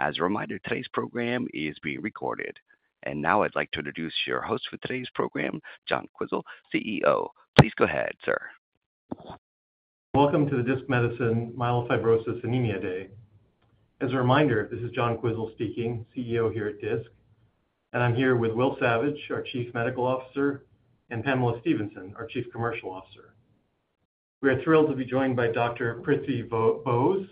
As a reminder, today's program is being recorded. Now I'd like to introduce your host for today's program, John Quisel, CEO. Please go ahead, sir. Welcome to the Disc Medicine Myelofibrosis Anemia Day. As a reminder, this is John Quisel speaking, CEO here at Disc. I'm here with Will Savage, our Chief Medical Officer, and Pamela Stephenson, our Chief Commercial Officer. We are thrilled to be joined by Dr. Prithi Bose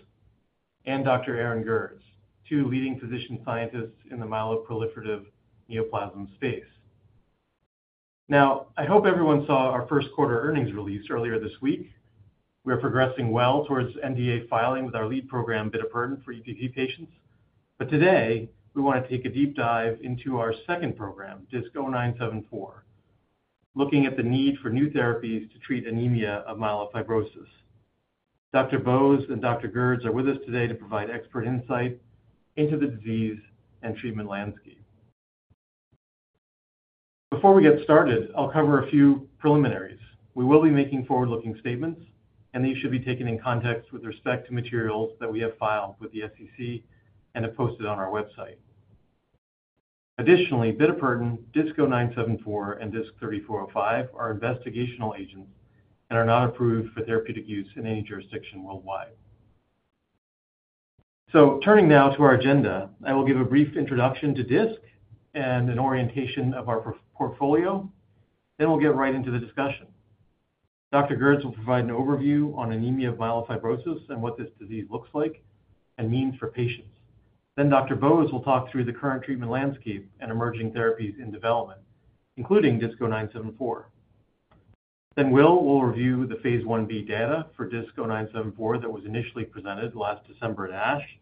and Dr. Aaron Gertz, two leading physician scientists in the myeloproliferative neoplasm space. I hope everyone saw our first quarter earnings release earlier this week. We are progressing well towards NDA filing with our lead program, bitopertin, for EPP patients. Today, we want to take a deep dive into our second program, DISC-0974, looking at the need for new therapies to treat anemia of myelofibrosis. Dr. Bose and Dr. Gertz are with us today to provide expert insight into the disease and treatment landscape. Before we get started, I'll cover a few preliminaries. We will be making forward-looking statements, and these should be taken in context with respect to materials that we have filed with the SEC and have posted on our website. Additionally, bitopertin, DISC-0974, and DISC-3405 are investigational agents and are not approved for therapeutic use in any jurisdiction worldwide. Turning now to our agenda, I will give a brief introduction to Disc and an orientation of our portfolio. We will get right into the discussion. Dr. Gertz will provide an overview on anemia of myelofibrosis and what this disease looks like and means for patients. Dr. Bose will talk through the current treatment landscape and emerging therapies in development, including DISC-0974. Will will review the phase IB data for DISC-0974 that was initially presented last December at ASH,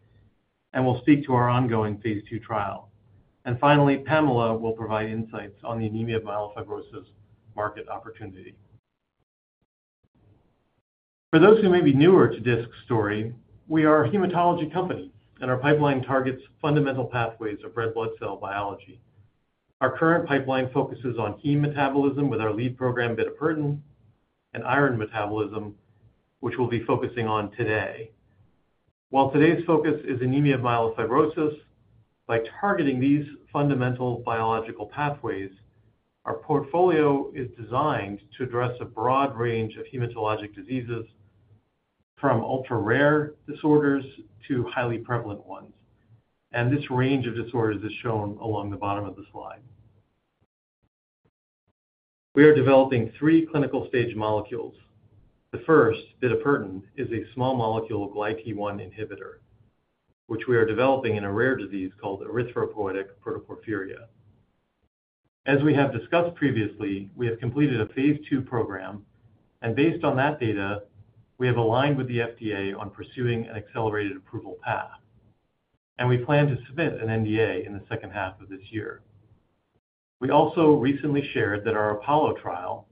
and we will speak to our ongoing phase II trial. Finally, Pamela will provide insights on the anemia of myelofibrosis market opportunity. For those who may be newer to Disc's story, we are a hematology company, and our pipeline targets fundamental pathways of red blood cell biology. Our current pipeline focuses on heme metabolism with our lead program, bitopertin, and iron metabolism, which we will be focusing on today. While today's focus is anemia of myelofibrosis, by targeting these fundamental biological pathways, our portfolio is designed to address a broad range of hematologic diseases, from ultra-rare disorders to highly prevalent ones. This range of disorders is shown along the bottom of the slide. We are developing three clinical stage molecules. The first, bitopertin, is a small molecule GlyT1 inhibitor, which we are developing in a rare disease called erythropoietic protoporphyria. As we have discussed previously, we have completed a phase II program. Based on that data, we have aligned with the FDA on pursuing an accelerated approval path. We plan to submit an NDA in the second half of this year. We also recently shared that our APOLLO Trial,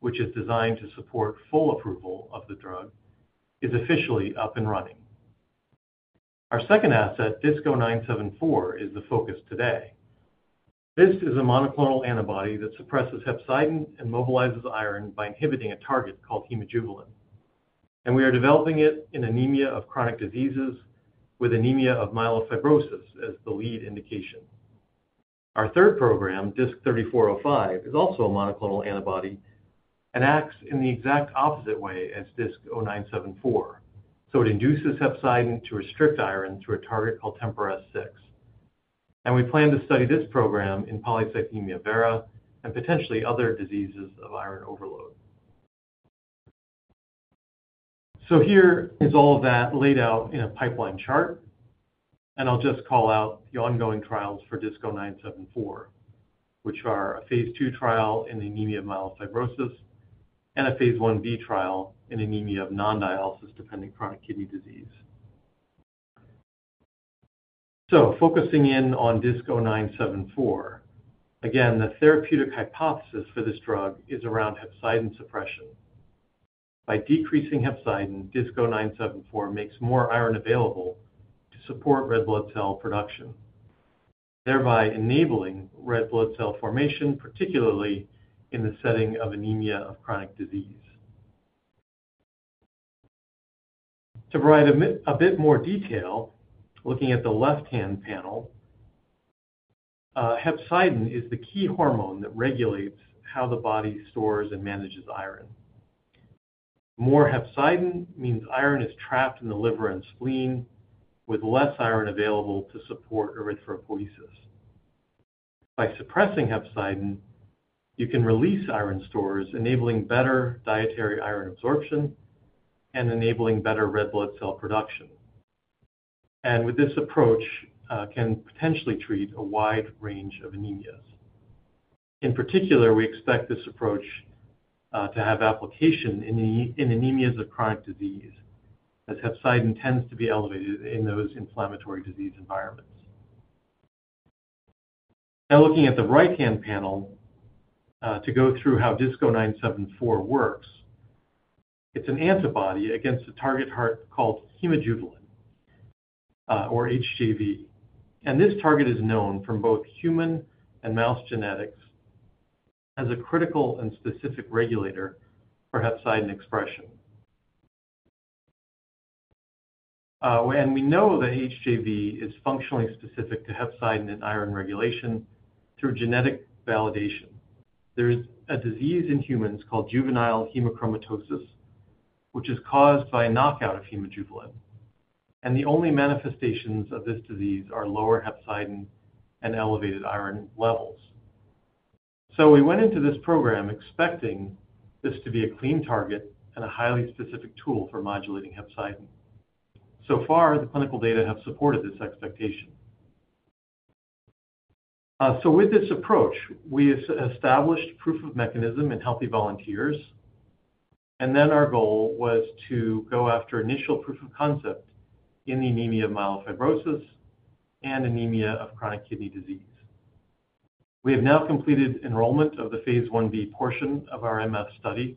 which is designed to support full approval of the drug, is officially up and running. Our second asset, DISC-0974, is the focus today. This is a monoclonal antibody that suppresses hepcidin and mobilizes iron by inhibiting a target called hemojuvelin. We are developing it in anemia of chronic diseases with anemia of myelofibrosis as the lead indication. Our third program, DISC-3405, is also a monoclonal antibody and acts in the exact opposite way as DISC-0974. It induces hepcidin to restrict iron to a target called TMPRSS6. We plan to study this program in polycythemia vera and potentially other diseases of iron overload. Here is all of that laid out in a pipeline chart. I'll just call out the ongoing trials for DISC-0974, which are a phase II trial in anemia of myelofibrosis and a phase I-B trial in anemia of non-dialysis-dependent chronic kidney disease. Focusing in on DISC-0974, again, the therapeutic hypothesis for this drug is around hepcidin suppression. By decreasing hepcidin, DISC-0974 makes more iron available to support red blood cell production, thereby enabling red blood cell formation, particularly in the setting of anemia of chronic disease. To provide a bit more detail, looking at the left-hand panel, hepcidin is the key hormone that regulates how the body stores and manages iron. More hepcidin means iron is trapped in the liver and spleen, with less iron available to support erythropoiesis. By suppressing hepcidin, you can release iron stores, enabling better dietary iron absorption and enabling better red blood cell production. With this approach, you can potentially treat a wide range of anemias. In particular, we expect this approach to have application in anemias of chronic disease, as hepcidin tends to be elevated in those inflammatory disease environments. Now, looking at the right-hand panel to go through how DISC-0974 works, it's an antibody against a target called hemojuvelin, or HJV. This target is known from both human and mouse genetics as a critical and specific regulator for hepcidin expression. We know that HJV is functionally specific to hepcidin and iron regulation through genetic validation. There is a disease in humans called juvenile hemochromatosis, which is caused by knockout of hemojuvelin. The only manifestations of this disease are lower hepcidin and elevated iron levels. We went into this program expecting this to be a clean target and a highly specific tool for modulating hepcidin. So far, the clinical data have supported this expectation. With this approach, we established proof of mechanism in healthy volunteers. Our goal was to go after initial proof of concept in the anemia of myelofibrosis and anemia of chronic kidney disease. We have now completed enrollment of the phase I-B portion of our MF study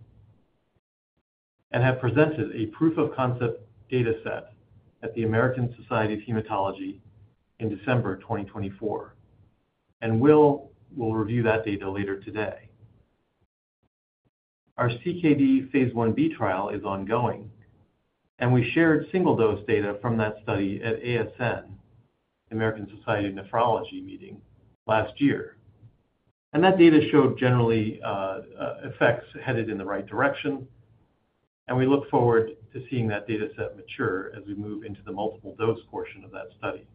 and have presented a proof of concept data set at the American Society of Hematology in December 2024. Will will review that data later today. Our CKD phase I-B trial is ongoing. We shared single-dose data from that study at ASN, the American Society of Nephrology meeting, last year. That data showed generally effects headed in the right direction. We look forward to seeing that data set mature as we move into the multiple-dose portion of that study.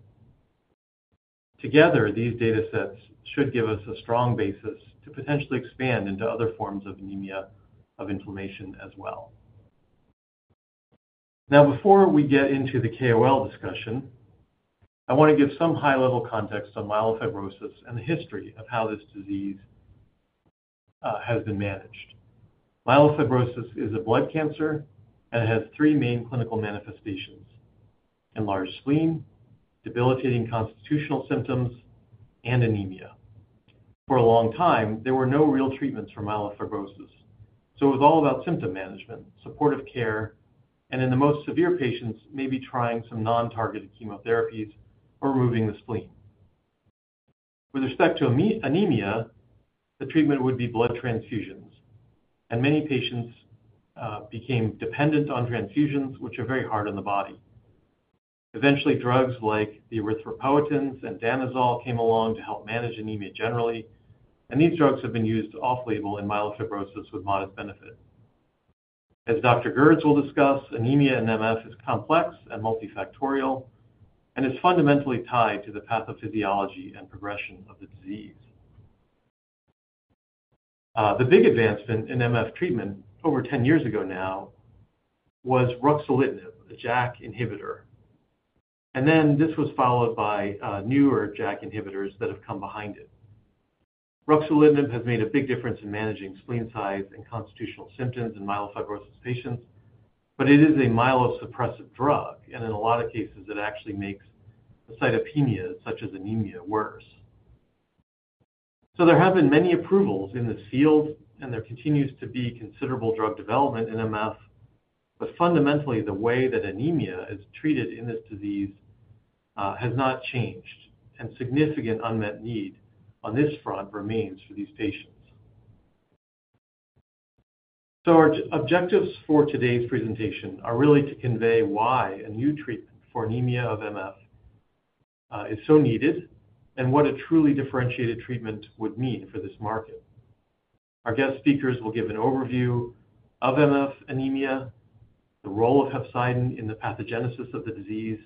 Together, these data sets should give us a strong basis to potentially expand into other forms of anemia of inflammation as well. Now, before we get into the KOL discussion, I want to give some high-level context on myelofibrosis and the history of how this disease has been managed. Myelofibrosis is a blood cancer and has three main clinical manifestations: enlarged spleen, debilitating constitutional symptoms, and anemia. For a long time, there were no real treatments for myelofibrosis. It was all about symptom management, supportive care, and in the most severe patients, maybe trying some non-targeted chemotherapies or removing the spleen. With respect to anemia, the treatment would be blood transfusions. Many patients became dependent on transfusions, which are very hard on the body. Eventually, drugs like the erythropoietins and danazol came along to help manage anemia generally. These drugs have been used off-label in myelofibrosis with modest benefit. As Dr. Gertz will discuss, anemia in MF is complex and multifactorial and is fundamentally tied to the pathophysiology and progression of the disease. The big advancement in MF treatment over 10 years ago now was ruxolitinib, a JAK inhibitor. This was followed by newer JAK inhibitors that have come behind it. Ruxolitinib has made a big difference in managing spleen size and constitutional symptoms in myelofibrosis patients. It is a myelosuppressive drug. In a lot of cases, it actually makes cytopenias, such as anemia, worse. There have been many approvals in this field. There continues to be considerable drug development in MF. Fundamentally, the way that anemia is treated in this disease has not changed. Significant unmet need on this front remains for these patients. Our objectives for today's presentation are really to convey why a new treatment for anemia of MF is so needed and what a truly differentiated treatment would mean for this market. Our guest speakers will give an overview of MF anemia, the role of hepcidin in the pathogenesis of the disease,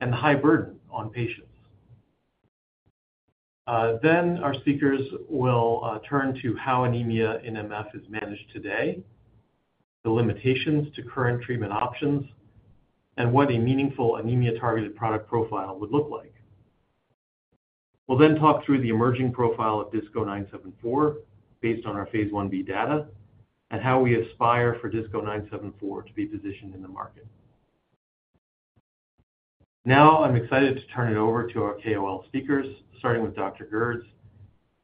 and the high burden on patients. Our speakers will turn to how anemia in MF is managed today, the limitations to current treatment options, and what a meaningful anemia-targeted product profile would look like. We'll then talk through the emerging profile of DISC-0974 based on our phase I-B data and how we aspire for DISC-0974 to be positioned in the market. Now, I'm excited to turn it over to our KOL speakers, starting with Dr. Gertz,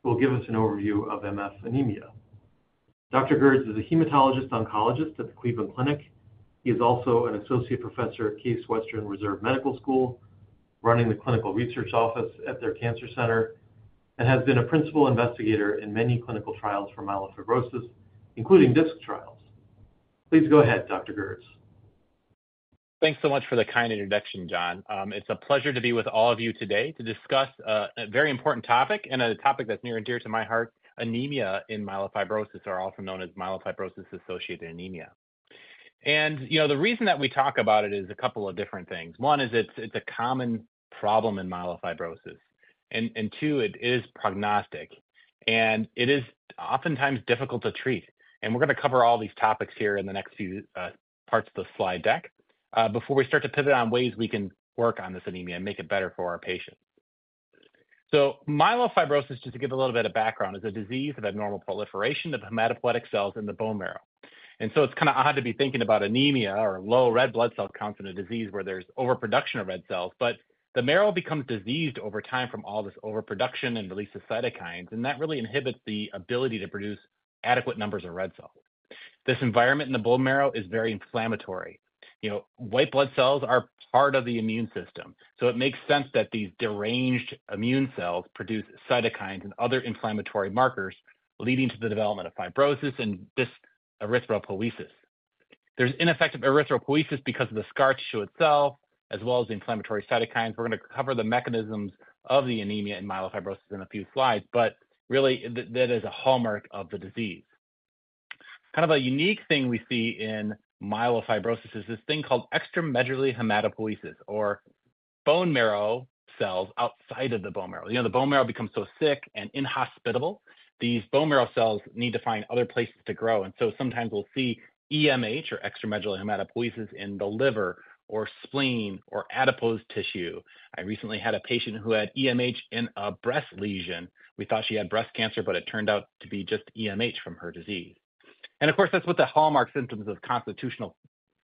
who will give us an overview of MF anemia. Dr. Gertz is a hematologist-oncologist at the Cleveland Clinic. He is also an associate professor at Case Western Reserve Medical School, running the clinical research office at their cancer center, and has been a principal investigator in many clinical trials for myelofibrosis, including Disc trials. Please go ahead, Dr. Gertz. Thanks so much for the kind introduction, John. It's a pleasure to be with all of you today to discuss a very important topic and a topic that's near and dear to my heart, anemia in myelofibrosis, or also known as myelofibrosis-associated anemia. The reason that we talk about it is a couple of different things. One is it's a common problem in myelofibrosis. Two, it is prognostic. It is oftentimes difficult to treat. We're going to cover all these topics here in the next few parts of the slide deck before we start to pivot on ways we can work on this anemia and make it better for our patients. Myelofibrosis, just to give a little bit of background, is a disease of abnormal proliferation of hematopoietic cells in the bone marrow. It's kind of odd to be thinking about anemia or low red blood cell count in a disease where there's overproduction of red cells. The marrow becomes diseased over time from all this overproduction and release of cytokines. That really inhibits the ability to produce adequate numbers of red cells. This environment in the bone marrow is very inflammatory. White blood cells are part of the immune system. It makes sense that these deranged immune cells produce cytokines and other inflammatory markers leading to the development of fibrosis and this erythropoiesis. There's ineffective erythropoiesis because of the scar tissue itself, as well as the inflammatory cytokines. We're going to cover the mechanisms of the anemia in myelofibrosis in a few slides. Really, that is a hallmark of the disease. Kind of a unique thing we see in myelofibrosis is this thing called extramedullary hematopoiesis, or bone marrow cells outside of the bone marrow. The bone marrow becomes so sick and inhospitable, these bone marrow cells need to find other places to grow. Sometimes we'll see EMH, or extramedullary hematopoiesis, in the liver or spleen or adipose tissue. I recently had a patient who had EMH in a breast lesion. We thought she had breast cancer, but it turned out to be just EMH from her disease. Of course, that's what the hallmark symptoms of constitutional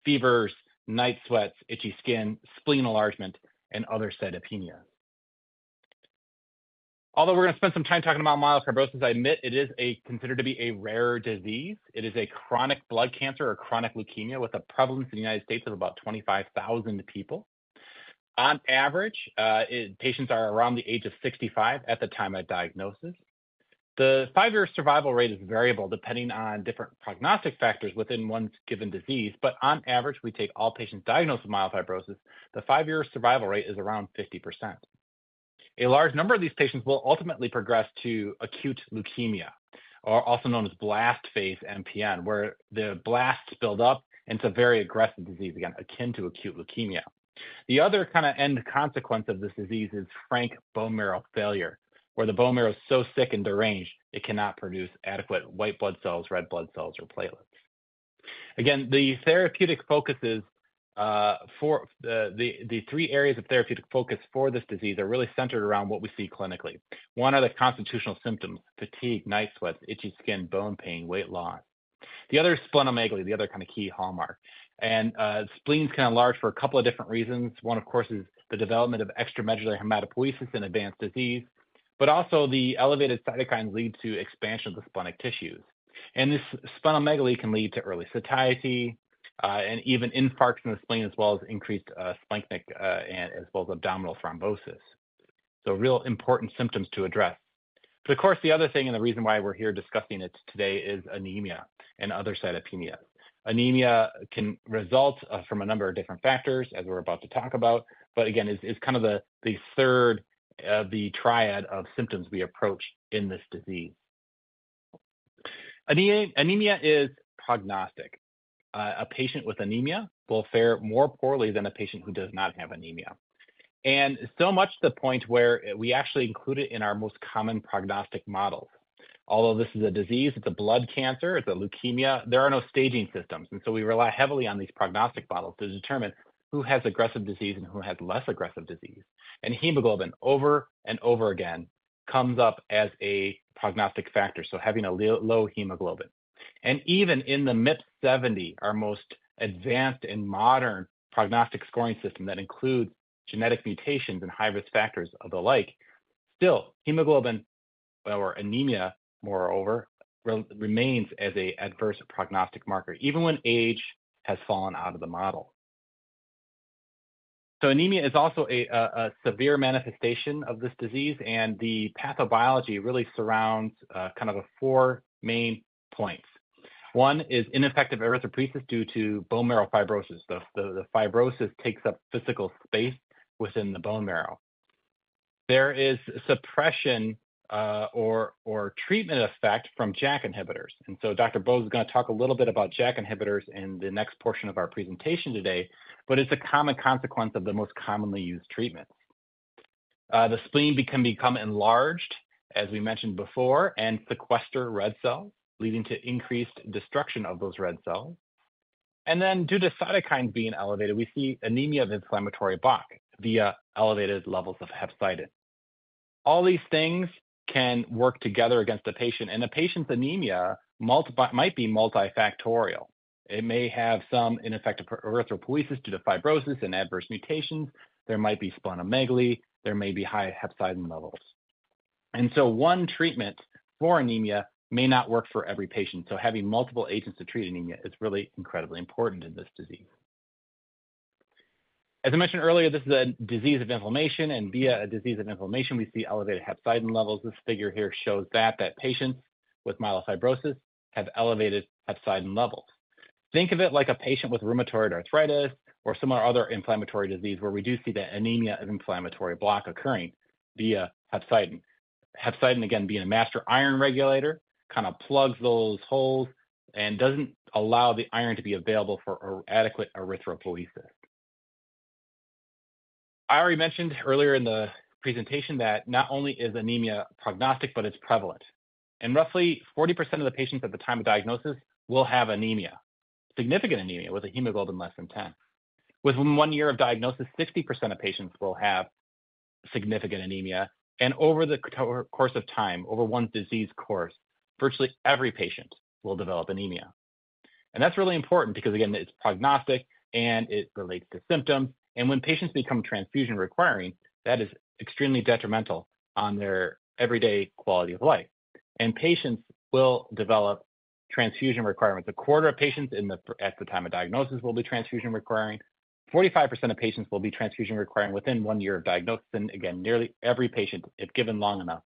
fevers, night sweats, itchy skin, spleen enlargement, and other cytopenias. Although we're going to spend some time talking about myelofibrosis, I admit it is considered to be a rare disease. It is a chronic blood cancer or chronic leukemia with a prevalence in the United States of about 25,000 people. On average, patients are around the age of 65 at the time of diagnosis. The five-year survival rate is variable depending on different prognostic factors within one's given disease. On average, we take all patients diagnosed with myelofibrosis. The five-year survival rate is around 50%. A large number of these patients will ultimately progress to acute leukemia, or also known as blast phase MPN, where the blasts build up. It is a very aggressive disease, again, akin to acute leukemia. The other kind of end consequence of this disease is frank bone marrow failure, where the bone marrow is so sick and deranged, it cannot produce adequate white blood cells, red blood cells, or platelets. Again, the therapeutic focuses for the three areas of therapeutic focus for this disease are really centered around what we see clinically. One are the constitutional symptoms: fatigue, night sweats, itchy skin, bone pain, weight loss. The other is splenomegaly, the other kind of key hallmark. Spleen can enlarge for a couple of different reasons. One, of course, is the development of extramedullary hematopoiesis in advanced disease. Also, the elevated cytokines lead to expansion of the splenic tissues. This splenomegaly can lead to early satiety and even infarcts in the spleen, as well as increased splenic and abdominal thrombosis. Real important symptoms to address. Of course, the other thing and the reason why we're here discussing it today is anemia and other cytopenias. Anemia can result from a number of different factors, as we're about to talk about. Again, it's kind of the third of the triad of symptoms we approach in this disease. Anemia is prognostic. A patient with anemia will fare more poorly than a patient who does not have anemia. So much to the point where we actually include it in our most common prognostic models. Although this is a disease, it's a blood cancer, it's a leukemia, there are no staging systems. We rely heavily on these prognostic models to determine who has aggressive disease and who has less aggressive disease. Hemoglobin, over and over again, comes up as a prognostic factor, so having a low hemoglobin. Even in the MIPS 70, our most advanced and modern prognostic scoring system that includes genetic mutations and high-risk factors of the like, still hemoglobin, or anemia moreover, remains as an adverse prognostic marker, even when age has fallen out of the model. Anemia is also a severe manifestation of this disease. The pathobiology really surrounds kind of four main points. One is ineffective erythropoiesis due to bone marrow fibrosis. The fibrosis takes up physical space within the bone marrow. There is suppression or treatment effect from JAK inhibitors. Dr. Bose is going to talk a little bit about JAK inhibitors in the next portion of our presentation today. It is a common consequence of the most commonly used treatments. The spleen can become enlarged, as we mentioned before, and sequester red cells, leading to increased destruction of those red cells. Then, due to cytokines being elevated, we see anemia of inflammatory block via elevated levels of hepcidin. All these things can work together against the patient. The patient's anemia might be multifactorial. It may have some ineffective erythropoiesis due to fibrosis and adverse mutations. There might be splenomegaly. There may be high hepcidin levels. One treatment for anemia may not work for every patient. Having multiple agents to treat anemia is really incredibly important in this disease. As I mentioned earlier, this is a disease of inflammation. Via a disease of inflammation, we see elevated hepcidin levels. This figure here shows that patients with myelofibrosis have elevated hepcidin levels. Think of it like a patient with rheumatoid arthritis or some other inflammatory disease where we do see the anemia of inflammatory block occurring via hepcidin. Hepcidin, again, being a master iron regulator, kind of plugs those holes and does not allow the iron to be available for adequate erythropoiesis. I already mentioned earlier in the presentation that not only is anemia prognostic, but it is prevalent. Roughly 40% of the patients at the time of diagnosis will have anemia, significant anemia with a hemoglobin less than 10. Within one year of diagnosis, 60% of patients will have significant anemia. Over the course of time, over one's disease course, virtually every patient will develop anemia. That is really important because, again, it is prognostic and it relates to symptoms. When patients become transfusion requiring, that is extremely detrimental on their everyday quality of life. Patients will develop transfusion requirements. A quarter of patients at the time of diagnosis will be transfusion requiring. 45% of patients will be transfusion requiring within one year of diagnosis. Again, nearly every patient, if given long enough,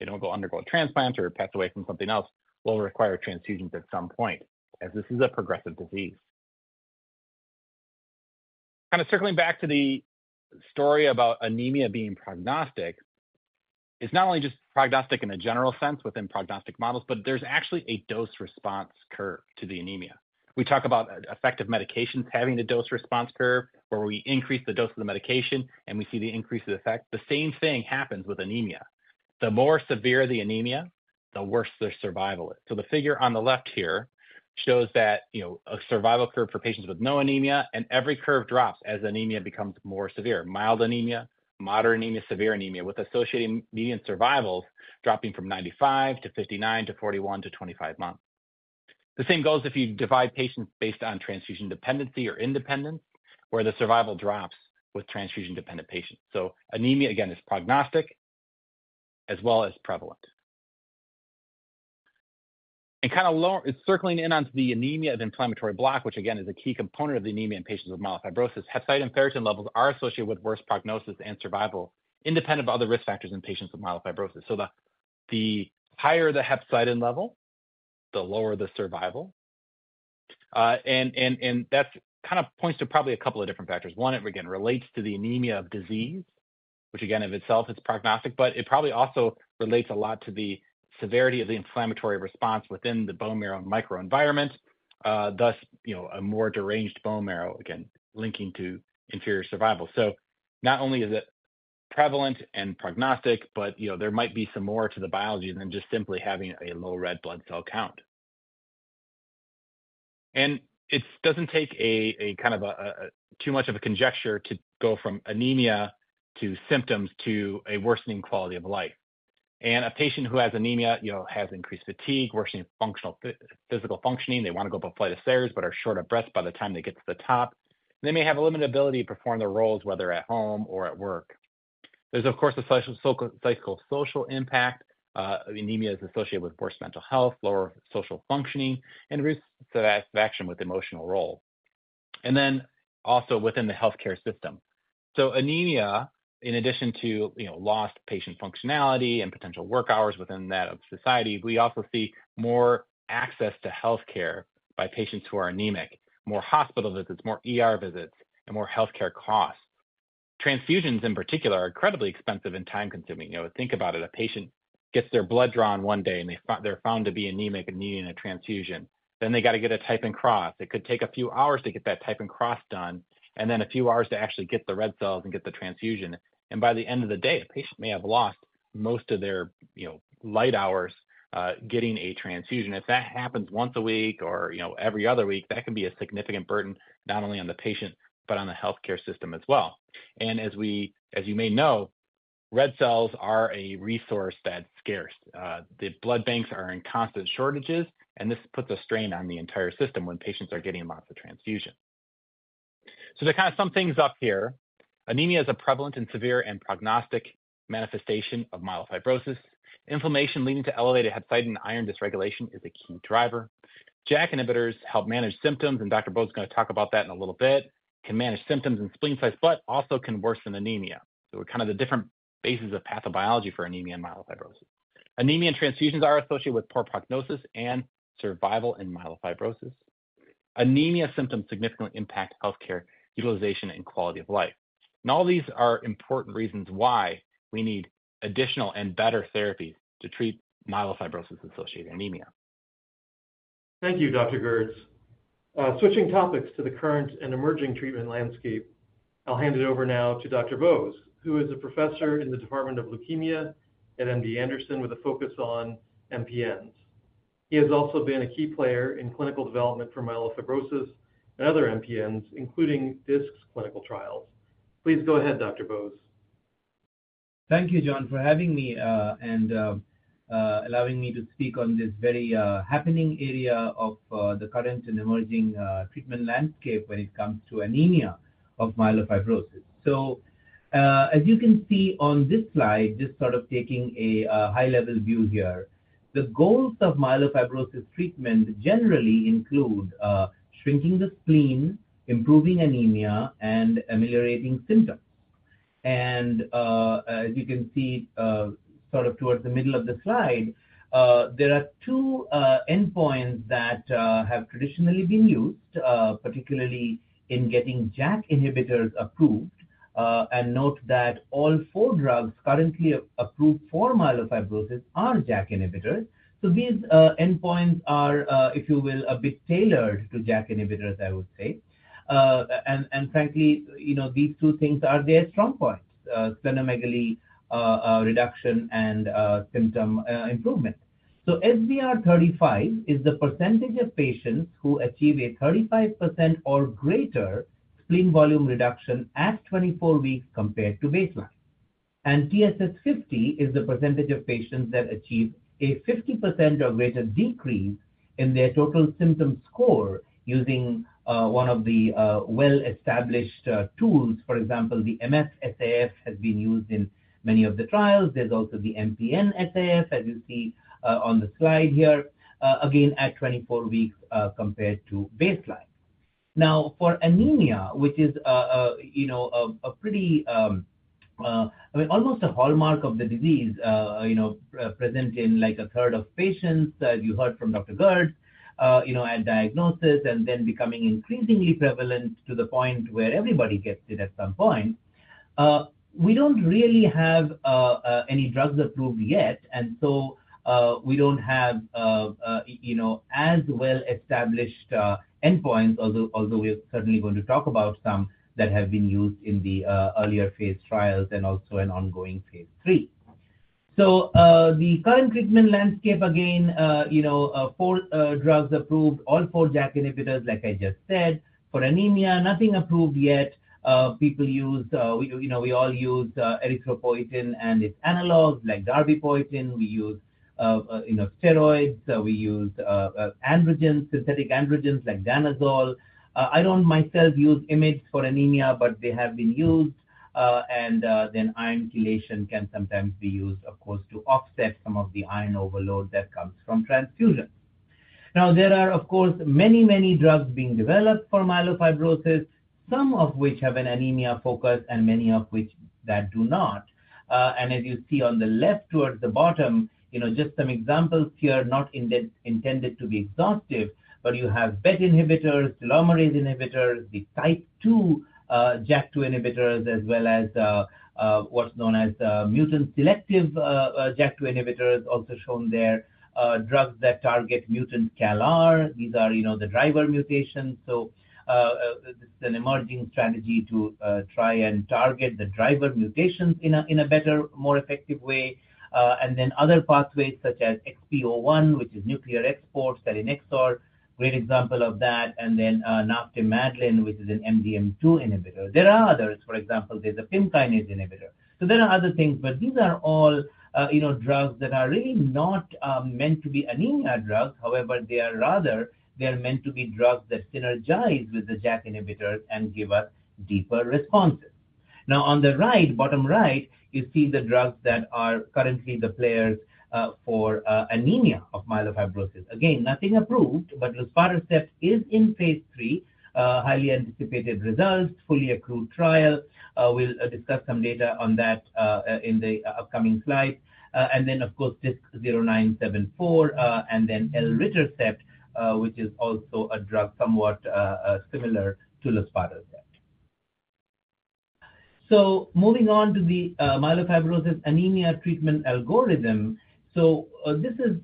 if they do not undergo a transplant or pass away from something else, will require transfusions at some point, as this is a progressive disease. Kind of circling back to the story about anemia being prognostic, it is not only just prognostic in a general sense within prognostic models, but there is actually a dose-response curve to the anemia. We talk about effective medications having a dose-response curve where we increase the dose of the medication and we see the increase of effect. The same thing happens with anemia. The more severe the anemia, the worse their survival is. The figure on the left here shows a survival curve for patients with no anemia. Every curve drops as anemia becomes more severe: mild anemia, moderate anemia, severe anemia, with associated median survivals dropping from 95 to 59 to 41 to 25 months. The same goes if you divide patients based on transfusion dependency or independence, where the survival drops with transfusion-dependent patients. Anemia, again, is prognostic as well as prevalent. Kind of circling in onto the anemia of inflammatory block, which again is a key component of the anemia in patients with myelofibrosis, hepcidin and ferritin levels are associated with worse prognosis and survival independent of other risk factors in patients with myelofibrosis. The higher the hepcidin level, the lower the survival. That kind of points to probably a couple of different factors. One, it again relates to the anemia of disease, which again, of itself, is prognostic. It probably also relates a lot to the severity of the inflammatory response within the bone marrow microenvironment, thus a more deranged bone marrow, again, linking to inferior survival. Not only is it prevalent and prognostic, but there might be some more to the biology than just simply having a low red blood cell count. It does not take kind of too much of a conjecture to go from anemia to symptoms to a worsening quality of life. A patient who has anemia has increased fatigue, worsening physical functioning. They want to go up a flight of stairs but are short of breath by the time they get to the top. They may have a limited ability to perform their roles, whether at home or at work. There's, of course, a psychosocial impact. Anemia is associated with worse mental health, lower social functioning, and reduced satisfaction with emotional roles. Also within the health care system, anemia, in addition to lost patient functionality and potential work hours within that of society, we also see more access to health care by patients who are anemic, more hospital visits, more visits, and more health care costs. Transfusions, in particular, are incredibly expensive and time-consuming. Think about it. A patient gets their blood drawn one day and they're found to be anemic and needing a transfusion. They got to get a type and cross. It could take a few hours to get that type and cross done and then a few hours to actually get the red cells and get the transfusion. By the end of the day, a patient may have lost most of their light hours getting a transfusion. If that happens once a week or every other week, that can be a significant burden not only on the patient but on the health care system as well. As you may know, red cells are a resource that's scarce. The blood banks are in constant shortages. This puts a strain on the entire system when patients are getting lots of transfusions. To kind of sum things up here, anemia is a prevalent and severe and prognostic manifestation of myelofibrosis. Inflammation leading to elevated hepcidin and iron dysregulation is a key driver. JAK inhibitors help manage symptoms. Dr. Bose is going to talk about that in a little bit. Can manage symptoms and spleen sites, but also can worsen anemia. Kind of the different bases of pathobiology for anemia and myelofibrosis. Anemia and transfusions are associated with poor prognosis and survival in myelofibrosis. Anemia symptoms significantly impact health care utilization and quality of life. All these are important reasons why we need additional and better therapies to treat myelofibrosis-associated anemia. Thank you, Dr. Gertz. Switching topics to the current and emerging treatment landscape, I'll hand it over now to Dr. Bose, who is a professor in the Department of Leukemia at MD Anderson with a focus on MPNs. He has also been a key player in clinical development for myelofibrosis and other MPNs, including DISC's clinical trials. Please go ahead, Dr. Bose. Thank you, John, for having me and allowing me to speak on this very happening area of the current and emerging treatment landscape when it comes to anemia of myelofibrosis. As you can see on this slide, just sort of taking a high-level view here, the goals of myelofibrosis treatment generally include shrinking the spleen, improving anemia, and ameliorating symptoms. As you can see sort of towards the middle of the slide, there are two endpoints that have traditionally been used, particularly in getting JAK inhibitors approved. Note that all four drugs currently approved for myelofibrosis are JAK inhibitors. These endpoints are, if you will, a bit tailored to JAK inhibitors, I would say. Frankly, these two things are their strong points: splenomegaly reduction and symptom improvement. SBR35 is the percentage of patients who achieve a 35% or greater spleen volume reduction at 24 weeks compared to baseline. TSS50 is the percentage of patients that achieve a 50% or greater decrease in their total symptom score using one of the well-established tools. For example, the MFSAF has been used in many of the trials. There's also the MPNSAF, as you see on the slide here, again at 24 weeks compared to baseline. Now, for anemia, which is pretty much almost a hallmark of the disease present in like a third of patients that you heard from Dr. Gertz at diagnosis and then becoming increasingly prevalent to the point where everybody gets it at some point, we don't really have any drugs approved yet. We do not have as well-established endpoints, although we are certainly going to talk about some that have been used in the earlier phase trials and also in ongoing phase III. The current treatment landscape, again, four drugs approved, all four JAK inhibitors, like I just said. For anemia, nothing approved yet. We all use erythropoietin and its analogs like darbepoietin. We use steroids. We use synthetic androgens like danazol. I do not myself use IMiD for anemia, but they have been used. Iron chelation can sometimes be used, of course, to offset some of the iron overload that comes from transfusions. There are, of course, many, many drugs being developed for myelofibrosis, some of which have an anemia focus and many of which do not. As you see on the left towards the bottom, just some examples here, not intended to be exhaustive, but you have BET inhibitors, telomerase inhibitors, the type II JAK2 inhibitors, as well as what's known as mutant selective JAK2 inhibitors, also shown there, drugs that target mutant CALR. These are the driver mutations. This is an emerging strategy to try and target the driver mutations in a better, more effective way. Other pathways such as XPO1, which is nuclear export, selenexor, great example of that, and then naftamadlin, which is an MDM2 inhibitor. There are others. For example, there's a pimkinase inhibitor. There are other things. These are all drugs that are really not meant to be anemia drugs. However, they are rather meant to be drugs that synergize with the JAK inhibitors and give us deeper responses. Now, on the bottom right, you see the drugs that are currently the players for anemia of myelofibrosis. Again, nothing approved, but Luspatercept is in phase III, highly anticipated results, fully accrued trial. We'll discuss some data on that in the upcoming slides. And then, of course, DISC-0974 and then elritercept, which is also a drug somewhat similar to Luspatercept. Moving on to the myelofibrosis anemia treatment algorithm. This is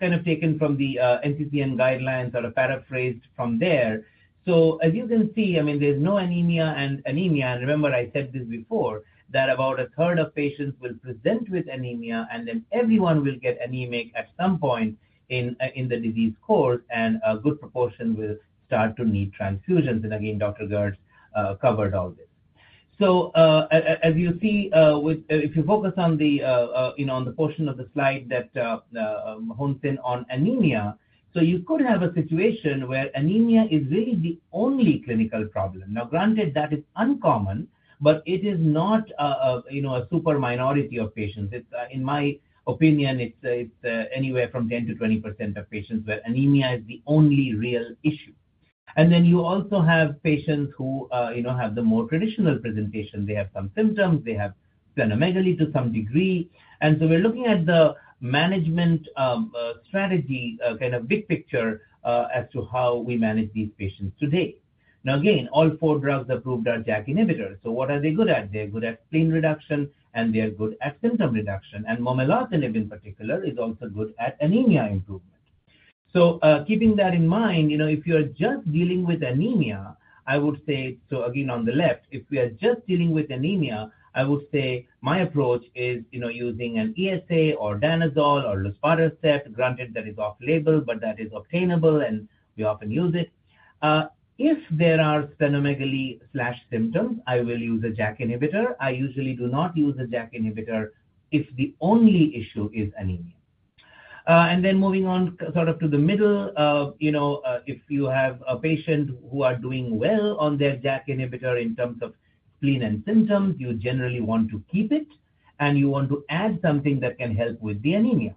kind of taken from the NCCN guidelines or paraphrased from there. As you can see, I mean, there's no anemia and anemia. And remember, I said this before, that about a third of patients will present with anemia, and then everyone will get anemic at some point in the disease course. A good proportion will start to need transfusions. Again, Dr. Gertz covered all this. As you see, if you focus on the portion of the slide that hones in on anemia, you could have a situation where anemia is really the only clinical problem. Now, granted, that is uncommon, but it is not a super minority of patients. In my opinion, it's anywhere from 10%-20% of patients where anemia is the only real issue. You also have patients who have the more traditional presentation. They have some symptoms. They have splenomegaly to some degree. We're looking at the management strategy, kind of big picture as to how we manage these patients today. Now, again, all four drugs approved are JAK inhibitors. What are they good at? They're good at spleen reduction, and they're good at symptom reduction. Momelotinib, in particular, is also good at anemia improvement. Keeping that in mind, if you're just dealing with anemia, I would say, again, on the left, if we are just dealing with anemia, I would say my approach is using an ESA or danazol or luspatercept. Granted, that is off-label, but that is obtainable, and we often use it. If there are splenomegaly/symptoms, I will use a JAK inhibitor. I usually do not use a JAK inhibitor if the only issue is anemia. Moving on to the middle, if you have a patient who is doing well on their JAK inhibitor in terms of spleen and symptoms, you generally want to keep it, and you want to add something that can help with the anemia.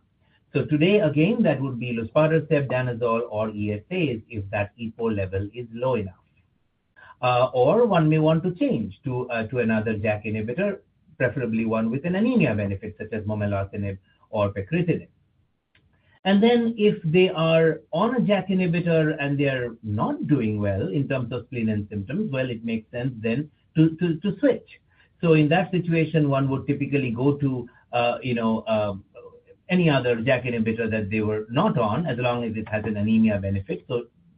Today, again, that would be luspatercept, danazol, or ESAs if that E4 level is low enough. One may want to change to another JAK inhibitor, preferably one with an anemia benefit such as momelotinib or pacritinib. If they are on a JAK inhibitor and they are not doing well in terms of spleen and symptoms, it makes sense then to switch. In that situation, one would typically go to any other JAK inhibitor that they were not on as long as it has an anemia benefit.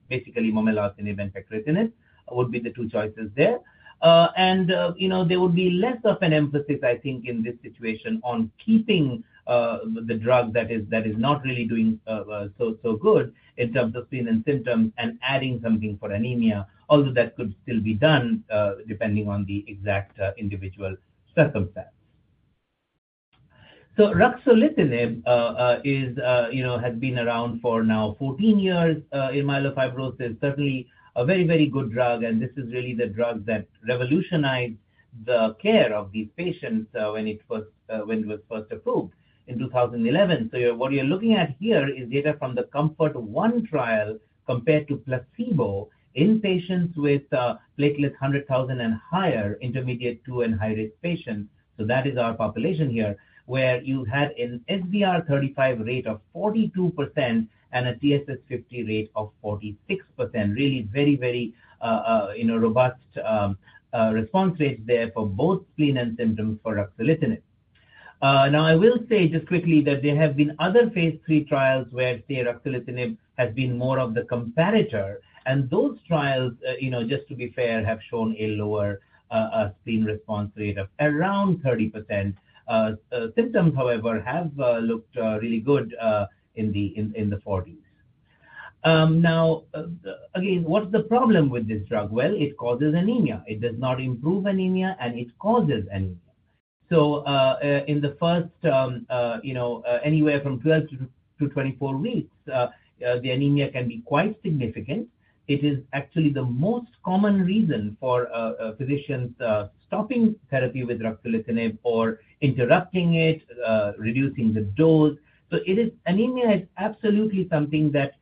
Basically, momelotinib and pacritinib would be the two choices there. There would be less of an emphasis, I think, in this situation on keeping the drug that is not really doing so good in terms of spleen and symptoms and adding something for anemia, although that could still be done depending on the exact individual circumstance. Ruxolitinib has been around for now 14 years in myelofibrosis. Certainly, a very, very good drug. This is really the drug that revolutionized the care of these patients when it was first approved in 2011. What you're looking at here is data from the Comfort One trial compared to placebo in patients with platelets 100,000 and higher, intermediate II and high-risk patients. That is our population here where you had an SBR35 rate of 42% and a TSS50 rate of 46%, really very, very robust response rates there for both spleen and symptoms for ruxolitinib. I will say just quickly that there have been other phase III trials where ruxolitinib has been more of the comparator. Those trials, just to be fair, have shown a lower spleen response rate of around 30%. Symptoms, however, have looked really good in the 40s. Again, what's the problem with this drug? It causes anemia. It does not improve anemia, and it causes anemia. In the first anywhere from 12-24 weeks, the anemia can be quite significant. It is actually the most common reason for physicians stopping therapy with ruxolitinib or interrupting it, reducing the dose. Anemia is absolutely something that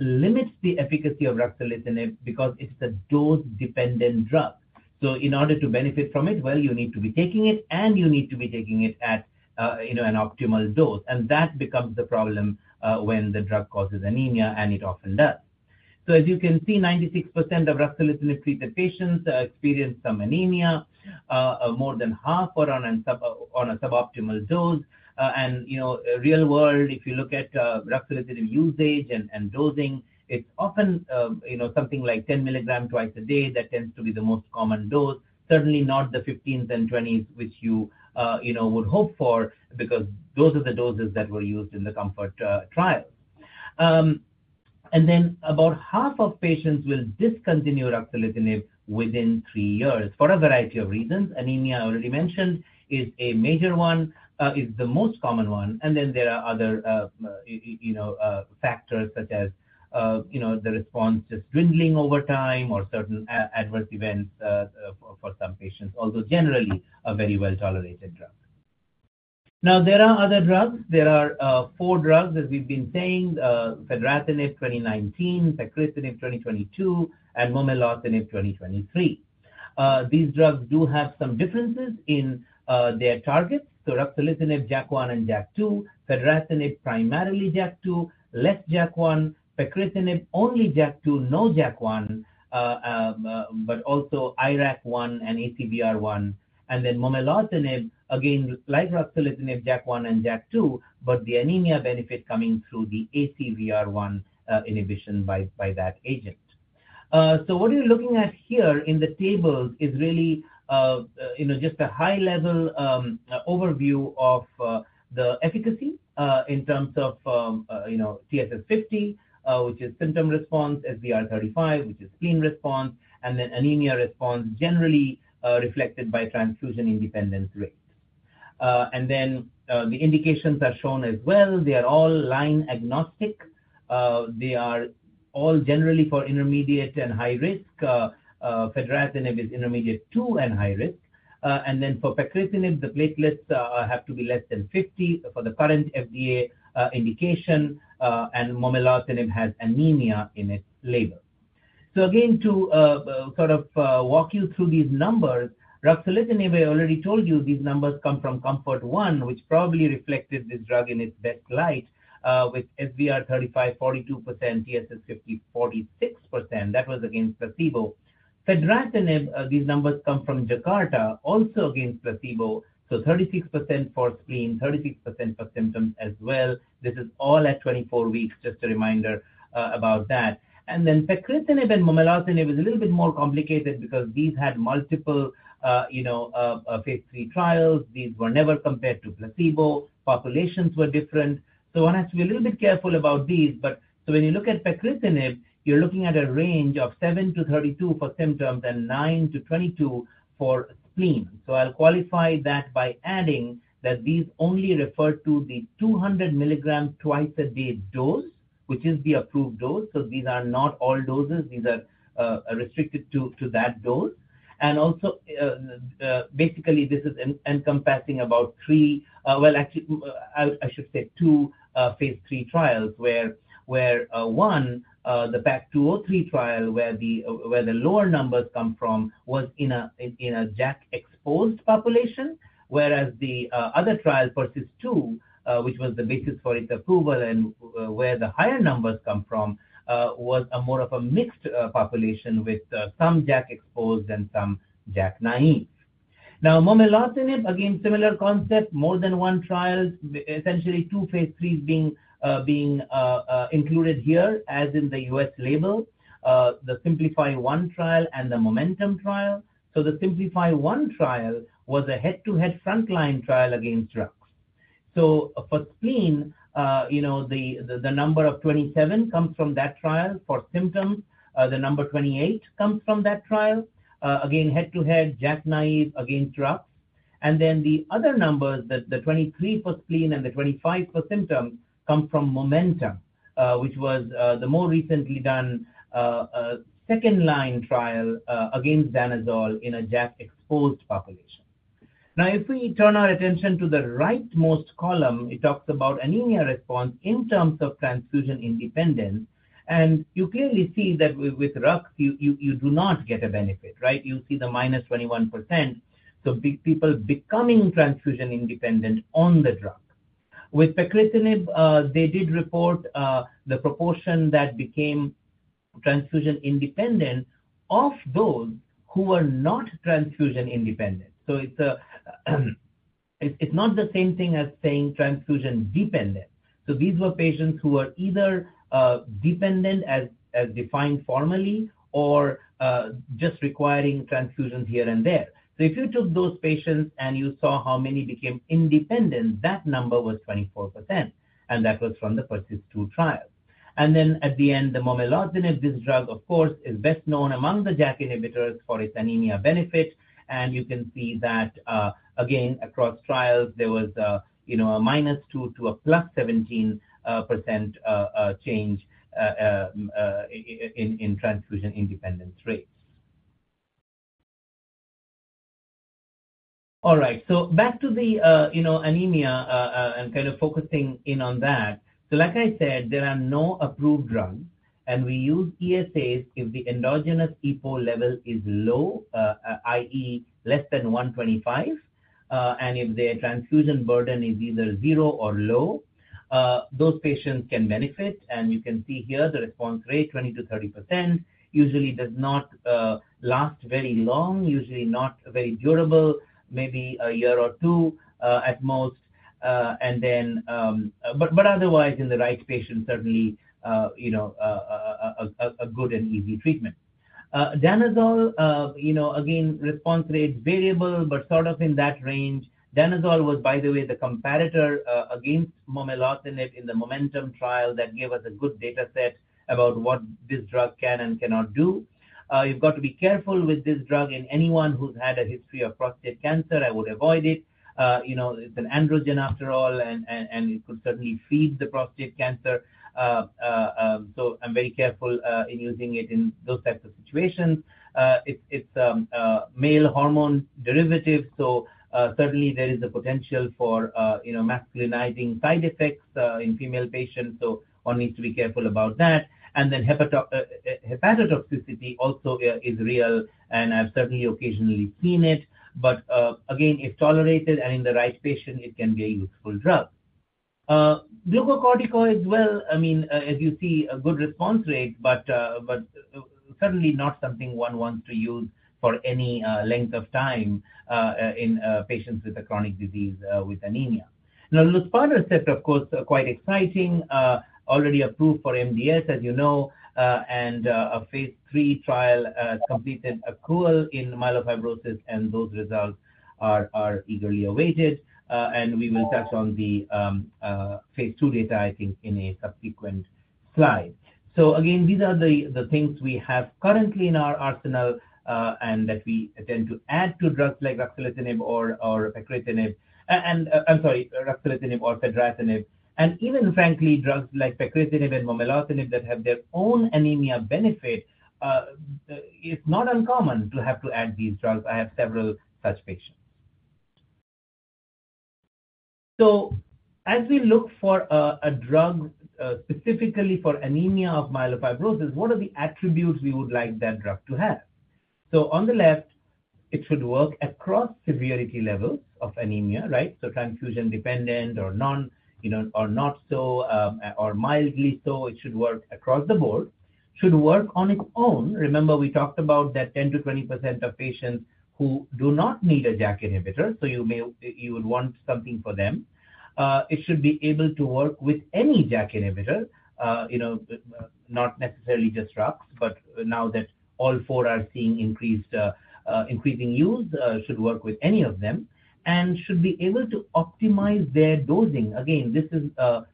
limits the efficacy of ruxolitinib because it is a dose-dependent drug. In order to benefit from it, you need to be taking it, and you need to be taking it at an optimal dose. That becomes the problem when the drug causes anemia, and it often does. As you can see, 96% of ruxolitinib-treated patients experience some anemia, more than half are on a suboptimal dose. In the real world, if you look at ruxolitinib usage and dosing, it is often something like 10 milligrams twice a day. That tends to be the most common dose, certainly not the 15s and 20s which you would hope for because those are the doses that were used in the Comfort trial. Then about half of patients will discontinue ruxolitinib within three years for a variety of reasons. Anemia, I already mentioned, is a major one, is the most common one. There are other factors such as the response just dwindling over time or certain adverse events for some patients, although generally a very well-tolerated drug. There are other drugs. There are four drugs, as we've been saying, fedratinib 2019, pacritinib 2022, and momelotinib 2023. These drugs do have some differences in their targets. Ruxolitinib, JAK1 and JAK2, fedratinib primarily JAK2, less JAK1, pacritinib only JAK2, no JAK1, but also IRAK1 and ACVR1. Then momelotinib, again, like ruxolitinib, JAK1 and JAK2, but the anemia benefit coming through the ACVR1 inhibition by that agent. What you are looking at here in the tables is really just a high-level overview of the efficacy in terms of TSS50, which is symptom response, SBR35, which is spleen response, and then anemia response generally reflected by transfusion independence rate. The indications are shown as well. They are all line-agnostic. They are all generally for intermediate and high-risk. Fedratinib is intermediate II and high-risk. For pacritinib, the platelets have to be less than 50 for the current FDA indication. Momelotinib has anemia in its label. To sort of walk you through these numbers, ruxolitinib, I already told you these numbers come from Comfort One, which probably reflected this drug in its best light with SBR35 42%, TSS50 46%. That was against placebo. Fedratinib, these numbers come from Jakarta, also against placebo. So 36% for spleen, 36% for symptoms as well. This is all at 24 weeks, just a reminder about that. Pecritinib and momelotinib is a little bit more complicated because these had multiple phase III trials. These were never compared to placebo. Populations were different. I want us to be a little bit careful about these. When you look at pecritinib, you're looking at a range of 7%-32% for symptoms and 9%-22% for spleen. I'll qualify that by adding that these only refer to the 200 milligrams twice a day dose, which is the approved dose. These are not all doses. These are restricted to that dose. Also, basically, this is encompassing about three, well, actually, I should say two phase III trials where one, the PAC-203 trial where the lower numbers come from, was in a JAK-exposed population, whereas the other trial, PROCIS2, which was the basis for its approval and where the higher numbers come from, was more of a mixed population with some JAK-exposed and some JAK9. Now, momelotinib, again, similar concept, more than one trial, essentially two phase threes being included here as in the US label, the SimpliFI-1 trial and the Momentum trial. The SimpliFI-1 trial was a head-to-head frontline trial against drugs. For spleen, the number of 27 comes from that trial. For symptoms, the number 28 comes from that trial. Again, head-to-head, JAK9 against drugs. The other numbers, the 23 for spleen and the 25 for symptoms, come from Momentum, which was the more recently done second-line trial against danazol in a JAK-exposed population. If we turn our attention to the rightmost column, it talks about anemia response in terms of transfusion independence. You clearly see that with RUX, you do not get a benefit, right? You see the minus 21%. People becoming transfusion independent on the drug. With pacritinib, they did report the proportion that became transfusion independent of those who were not transfusion independent. It is not the same thing as saying transfusion dependent. These were patients who were either dependent as defined formally or just requiring transfusions here and there. If you took those patients and you saw how many became independent, that number was 24%. That was from the PROCIS2 trial. Then at the end, the momelotinib, this drug, of course, is best known among the JAK inhibitors for its anemia benefit. You can see that, again, across trials, there was a -2% to +17% change in transfusion independence rates. All right. Back to the anemia and kind of focusing in on that. Like I said, there are no approved drugs. We use ESAs if the endogenous E4 level is low, i.e., less than 125. If their transfusion burden is either zero or low, those patients can benefit. You can see here the response rate, 20%-30%, usually does not last very long, usually not very durable, maybe a year or two at most. Otherwise, in the right patient, certainly a good and easy treatment. Danazol, again, response rate variable, but sort of in that range. Danazol was, by the way, the comparator against momelotinib in the Momentum trial that gave us a good data set about what this drug can and cannot do. You have got to be careful with this drug. Anyone who has had a history of prostate cancer, I would avoid it. It is an androgen after all, and it could certainly feed the prostate cancer. I am very careful in using it in those types of situations. It is a male hormone derivative. Certainly, there is a potential for masculinizing side effects in female patients. One needs to be careful about that. Hepatotoxicity also is real, and I have certainly occasionally seen it. If tolerated and in the right patient, it can be a useful drug. Glucocorticoids, I mean, as you see, a good response rate, but certainly not something one wants to use for any length of time in patients with a chronic disease with anemia. Now, luspatercept, of course, quite exciting, already approved for MDS, as you know. A phase III trial completed accrual in myelofibrosis, and those results are eagerly awaited. We will touch on the phase II data, I think, in a subsequent slide. Again, these are the things we have currently in our arsenal and that we tend to add to drugs like ruxolitinib or pacritinib. I'm sorry, ruxolitinib or fedratinib. Even, frankly, drugs like pacritinib and momelotinib that have their own anemia benefit, it's not uncommon to have to add these drugs. I have several such patients. As we look for a drug specifically for anemia of myelofibrosis, what are the attributes we would like that drug to have? On the left, it should work across severity levels of anemia, right? Transfusion dependent or not so or mildly so. It should work across the board. Should work on its own. Remember, we talked about that 10%-20% of patients who do not need a JAK inhibitor. You would want something for them. It should be able to work with any JAK inhibitor, not necessarily just RUX. Now that all four are seeing increasing use, it should work with any of them and should be able to optimize their dosing. This is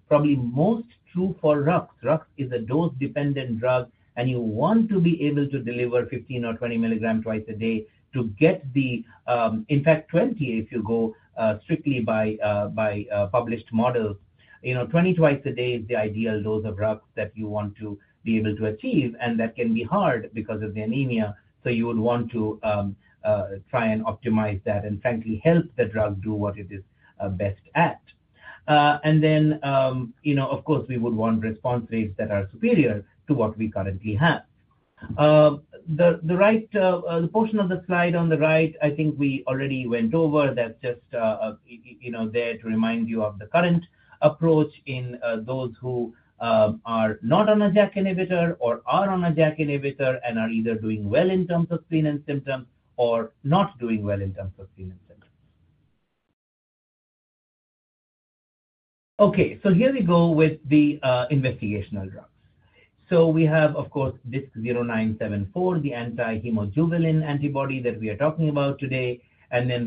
probably most true for RUX. RUX is a dose-dependent drug, and you want to be able to deliver 15 or 20 milligrams twice a day to get the, in fact, 20 if you go strictly by published models. 20 twice a day is the ideal dose of RUX that you want to be able to achieve. That can be hard because of the anemia. You would want to try and optimize that and, frankly, help the drug do what it is best at. Of course, we would want response rates that are superior to what we currently have. The portion of the slide on the right, I think we already went over. That's just there to remind you of the current approach in those who are not on a JAK inhibitor or are on a JAK inhibitor and are either doing well in terms of spleen and symptoms or not doing well in terms of spleen and symptoms. Okay. Here we go with the investigational drugs. We have, of course, DISC-0974, the anti-hemojuvelin antibody that we are talking about today.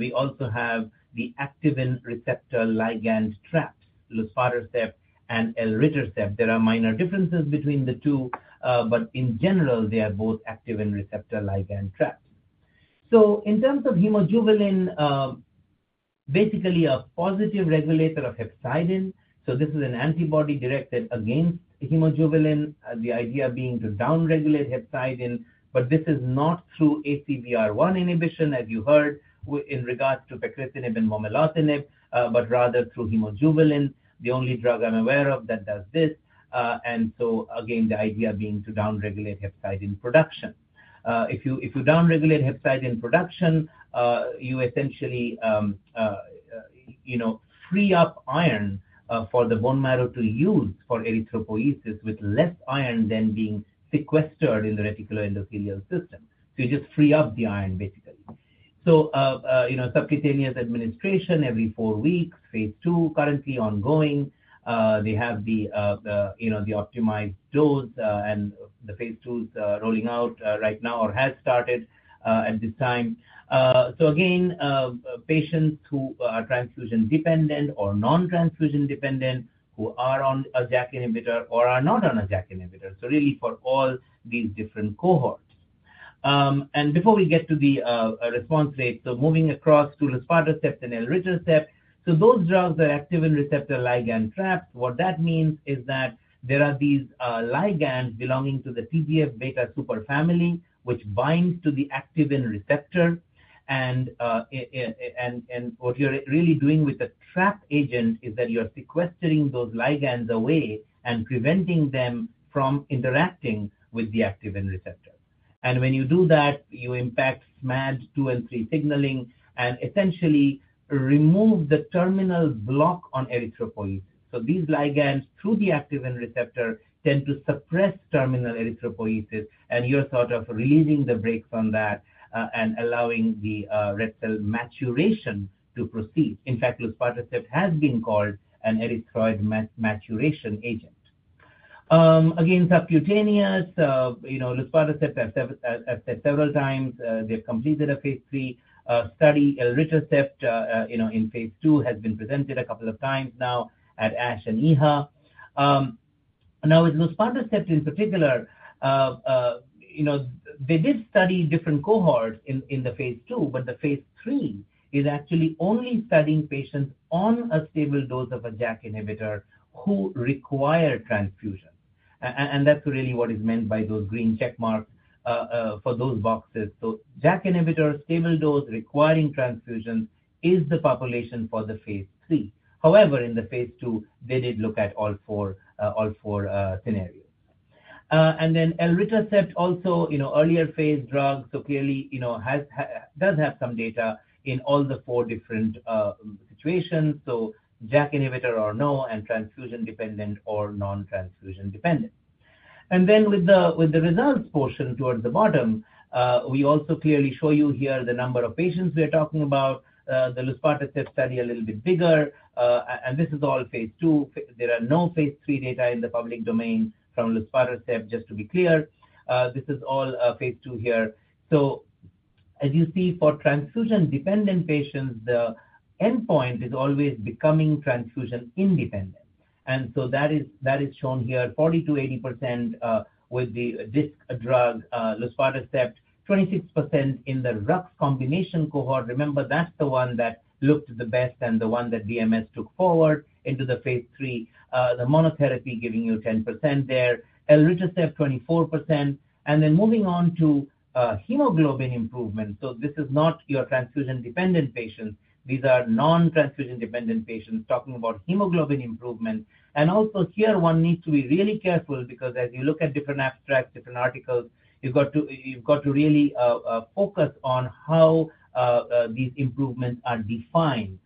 We also have the activin receptor ligand traps, luspatercept and sotatercept. There are minor differences between the two, but in general, they are both activin receptor ligand traps. In terms of hemojuvelin, basically a positive regulator of hepcidin. This is an antibody directed against hemojuvelin, the idea being to downregulate hepcidin. This is not through ACVR1 inhibition, as you heard, in regards to pacritinib and momelotinib, but rather through hemojuvelin, the only drug I'm aware of that does this. Again, the idea being to downregulate hepcidin production. If you downregulate hepcidin production, you essentially free up iron for the bone marrow to use for erythropoiesis with less iron then being sequestered in the reticuloendothelial system. You just free up the iron, basically. Subcutaneous administration every four weeks, phase II, currently ongoing. They have the optimized dose, and the phase II is rolling out right now or has started at this time. Patients who are transfusion dependent or non-transfusion dependent who are on a JAK inhibitor or are not on a JAK inhibitor. Really for all these different cohorts. Before we get to the response rate, moving across to luspatercept and sotatercept. Those drugs are activin receptor ligand traps. What that means is that there are these ligands belonging to the TGF beta superfamily, which binds to the activin receptor. What you're really doing with the trap agent is that you're sequestering those ligands away and preventing them from interacting with the activin receptor. When you do that, you impact SMAD2 and SMAD3 signaling and essentially remove the terminal block on erythropoiesis. These ligands through the activin receptor tend to suppress terminal erythropoiesis. You're sort of releasing the brakes on that and allowing the red cell maturation to proceed. In fact, luspatercept has been called an erythroid maturation agent. Again, subcutaneous, luspatercept, I've said several times, they've completed a phase III study. Sotatercept in phase II has been presented a couple of times now at ASH and EHA. Now, with Luspatercept in particular, they did study different cohorts in the phase II, but the phase III is actually only studying patients on a stable dose of a JAK inhibitor who require transfusion. That's really what is meant by those green checkmarks for those boxes. JAK inhibitor, stable dose, requiring transfusion is the population for the phase III. However, in the phase II, they did look at all four scenarios. Elritercept also, earlier phase drug, so clearly does have some data in all the four different situations. JAK inhibitor or no and transfusion dependent or non-transfusion dependent. With the results portion towards the bottom, we also clearly show you here the number of patients we are talking about. The Luspatercept study a little bit bigger. This is all phase two. There are no phase III data in the public domain from Luspatercept, just to be clear. This is all phase II here. As you see, for transfusion dependent patients, the endpoint is always becoming transfusion independent. That is shown here, 40%-80% with the DISC drug, Luspatercept, 26% in the RUX combination cohort. Remember, that's the one that looked the best and the one that Disc Medicine took forward into the phase III. The monotherapy giving you 10% there. Sotatercept 24%. Moving on to hemoglobin improvement. This is not your transfusion dependent patients. These are non-transfusion dependent patients talking about hemoglobin improvement. Also here, one needs to be really careful because as you look at different abstracts, different articles, you've got to really focus on how these improvements are defined.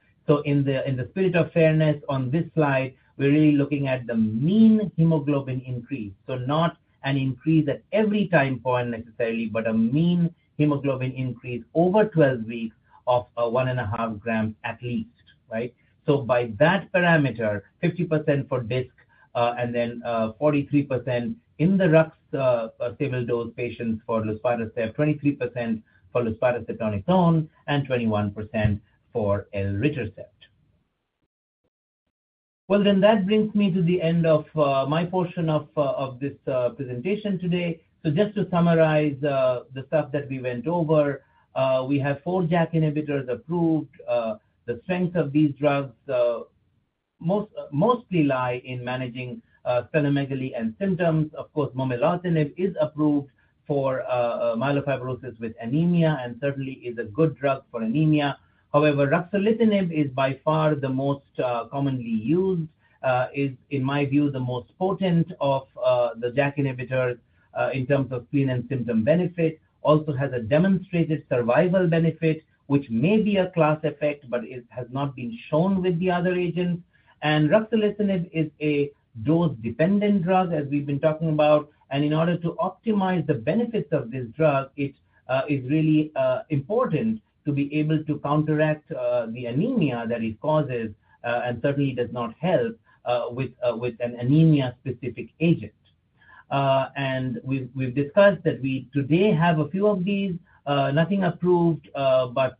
In the spirit of fairness on this slide, we're really looking at the mean hemoglobin increase. Not an increase at every time point necessarily, but a mean hemoglobin increase over 12 weeks of one and a half grams at least, right? By that parameter, 50% for DISC and then 43% in the RUX stable dose patients for Luspatercept, 23% for Luspatercept on its own, and 21% for Sotatercept. That brings me to the end of my portion of this presentation today. Just to summarize the stuff that we went over, we have four JAK inhibitors approved. The strength of these drugs mostly lie in managing splenomegaly and symptoms. Of course, momelotinib is approved for myelofibrosis with anemia and certainly is a good drug for anemia. However, ruxolitinib is by far the most commonly used, is in my view, the most potent of the JAK inhibitors in terms of spleen and symptom benefit. It also has a demonstrated survival benefit, which may be a class effect, but it has not been shown with the other agents. Ruxolitinib is a dose-dependent drug, as we've been talking about. In order to optimize the benefits of this drug, it is really important to be able to counteract the anemia that it causes and certainly does not help with an anemia-specific agent. We've discussed that we today have a few of these, nothing approved, but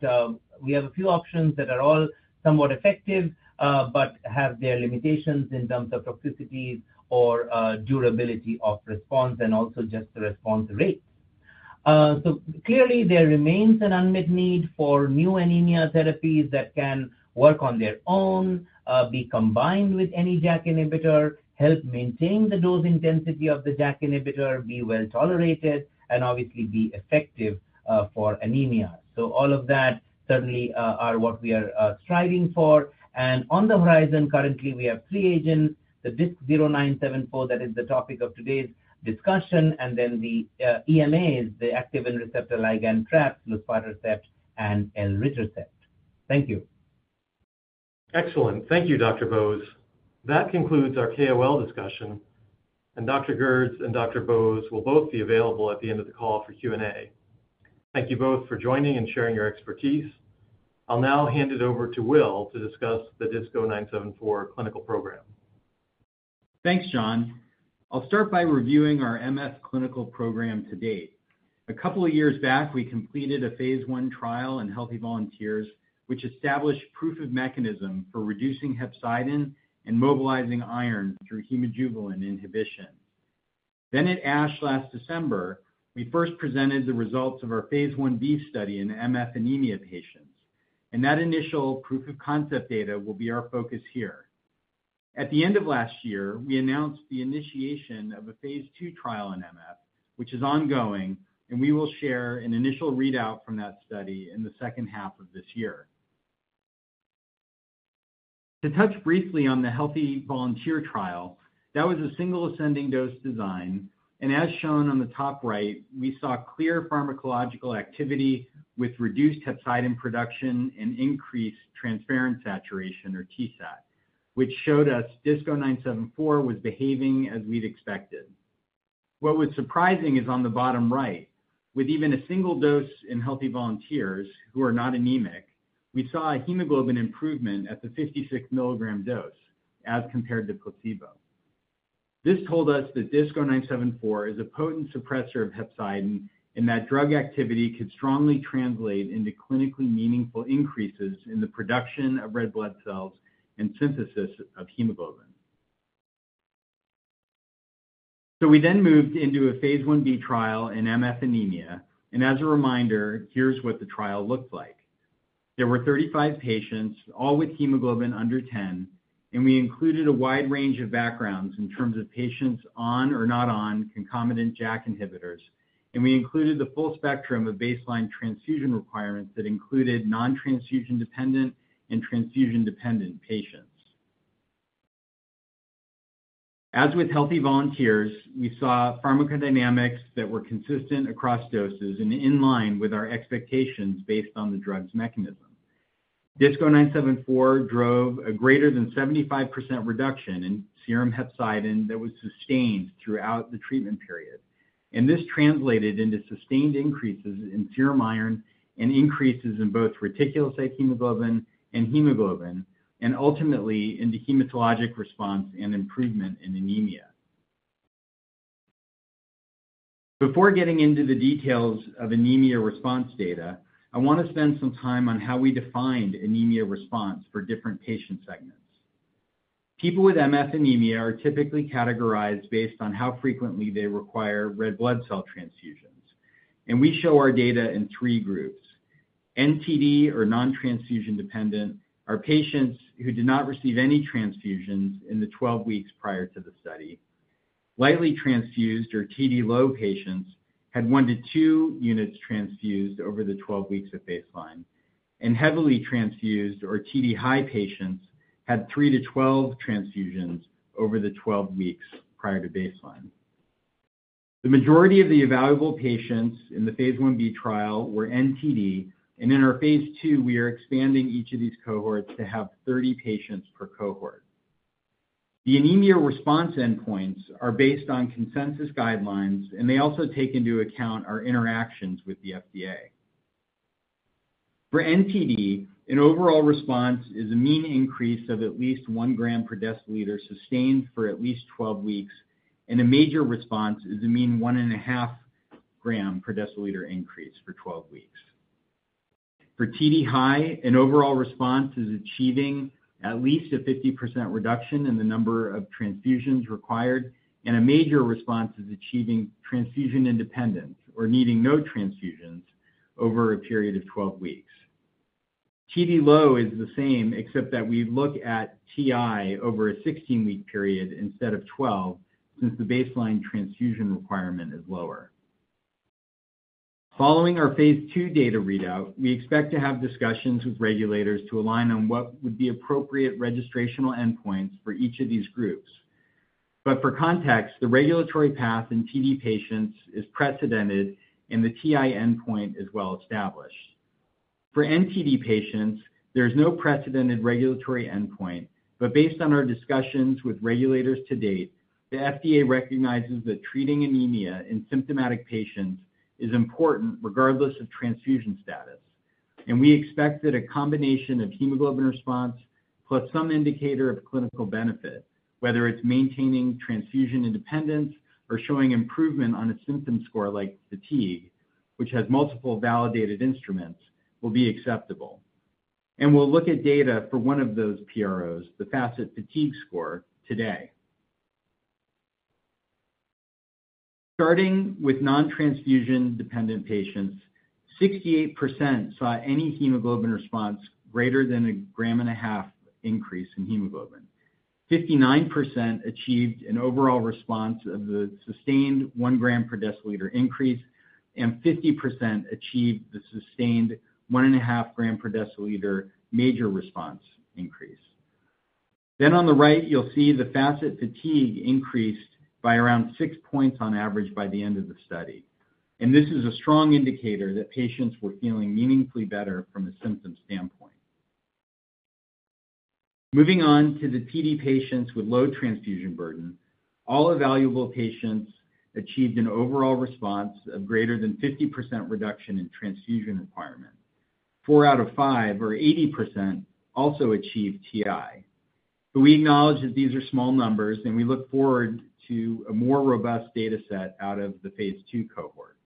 we have a few options that are all somewhat effective but have their limitations in terms of toxicity or durability of response and also just the response rate. Clearly, there remains an unmet need for new anemia therapies that can work on their own, be combined with any JAK inhibitor, help maintain the dose intensity of the JAK inhibitor, be well tolerated, and obviously be effective for anemia. All of that certainly are what we are striving for. On the horizon, currently, we have three agents, the DISC-0974, that is the topic of today's discussion, and then the EMAs, the activin receptor ligand traps, luspatercept, and elritercept. Thank you. Excellent. Thank you, Dr. Bose. That concludes our KOL discussion. Dr. Gertz and Dr. Bose will both be available at the end of the call for Q&A. Thank you both for joining and sharing your expertise. I'll now hand it over to Will to discuss the DISC-0974 clinical program. Thanks, John. I'll start by reviewing our MS clinical program to date. A couple of years back, we completed a phase I trial in healthy volunteers, which established proof of mechanism for reducing hepcidin and mobilizing iron through hemojuvelin inhibition. At ASH last December, we first presented the results of our phase I-B study in myelofibrosis anemia patients. That initial proof of concept data will be our focus here. At the end of last year, we announced the initiation of a phase II trial in myelofibrosis, which is ongoing, and we will share an initial readout from that study in the second half of this year. To touch briefly on the healthy volunteer trial, that was a single ascending dose design. As shown on the top right, we saw clear pharmacological activity with reduced hepcidin production and increased transferrin saturation, or TSAT, which showed us DISC-0974 was behaving as we had expected. What was surprising is on the bottom right, with even a single dose in healthy volunteers who are not anemic, we saw a hemoglobin improvement at the 56 mg dose as compared to placebo. This told us that DISC-0974 is a potent suppressor of hepcidin and that drug activity could strongly translate into clinically meaningful increases in the production of red blood cells and synthesis of hemoglobin. We then moved into a phase I-B trial in MS anemia. As a reminder, here is what the trial looked like. There were 35 patients, all with hemoglobin under 10, and we included a wide range of backgrounds in terms of patients on or not on concomitant JAK inhibitors. We included the full spectrum of baseline transfusion requirements that included non-transfusion dependent and transfusion dependent patients. As with healthy volunteers, we saw pharmacodynamics that were consistent across doses and in line with our expectations based on the drug's mechanism. DISC-0974 drove a greater than 75% reduction in serum hepcidin that was sustained throughout the treatment period. This translated into sustained increases in serum iron and increases in both reticulocyte hemoglobin and hemoglobin, and ultimately into hematologic response and improvement in anemia. Before getting into the details of anemia response data, I want to spend some time on how we defined anemia response for different patient segments. People with myelofibrosis anemia are typically categorized based on how frequently they require red blood cell transfusions. We show our data in three groups. NTD or non-transfusion dependent are patients who did not receive any transfusions in the 12 weeks prior to the study. Lightly transfused or TD low patients had one to two units transfused over the 12 weeks of baseline. Heavily transfused or TD high patients had three to 12 transfusions over the 12 weeks prior to baseline. The majority of the evaluable patients in the phase I-B trial were NTD. In our phase II, we are expanding each of these cohorts to have 30 patients per cohort. The anemia response endpoints are based on consensus guidelines, and they also take into account our interactions with the FDA. For NTD, an overall response is a mean increase of at least 1 gram per deciliter sustained for at least 12 weeks. A major response is a mean 1.5 gram per deciliter increase for 12 weeks. For TD high, an overall response is achieving at least a 50% reduction in the number of transfusions required. A major response is achieving transfusion independence or needing no transfusions over a period of 12 weeks. TD low is the same, except that we look at TI over a 16-week period instead of 12 since the baseline transfusion requirement is lower. Following our phase II data readout, we expect to have discussions with regulators to align on what would be appropriate registrational endpoints for each of these groups. For context, the regulatory path in TD patients is precedented, and the TI endpoint is well established. For NTD patients, there is no precedented regulatory endpoint. Based on our discussions with regulators to date, the FDA recognizes that treating anemia in symptomatic patients is important regardless of transfusion status. We expect that a combination of hemoglobin response plus some indicator of clinical benefit, whether it is maintaining transfusion independence or showing improvement on a symptom score like fatigue, which has multiple validated instruments, will be acceptable. We will look at data for one of those PROs, the FACIT fatigue score, today. Starting with non-transfusion dependent patients, 68% saw any hemoglobin response greater than a 1.5 gram increase in hemoglobin. 59% achieved an overall response of the sustained 1 gram per deciliter increase, and 50% achieved the sustained 1.5 gram per deciliter major response increase. On the right, you will see the FACIT fatigue increased by around 6 points on average by the end of the study. This is a strong indicator that patients were feeling meaningfully better from a symptom standpoint. Moving on to the TD patients with low transfusion burden, all evaluable patients achieved an overall response of greater than 50% reduction in transfusion requirement. Four out of five, or 80%, also achieved TI. We acknowledge that these are small numbers, and we look forward to a more robust data set out of the phase II cohort.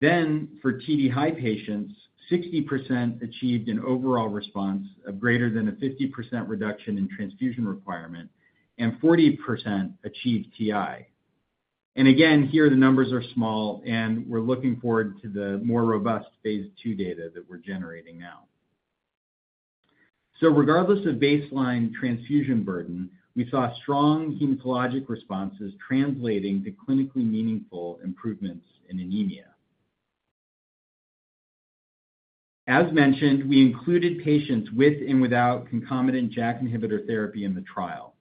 For TD high patients, 60% achieved an overall response of greater than a 50% reduction in transfusion requirement, and 40% achieved TI. Again, here the numbers are small, and we're looking forward to the more robust phase II data that we're generating now. Regardless of baseline transfusion burden, we saw strong hematologic responses translating to clinically meaningful improvements in anemia. As mentioned, we included patients with and without concomitant JAK inhibitor therapy in the trial.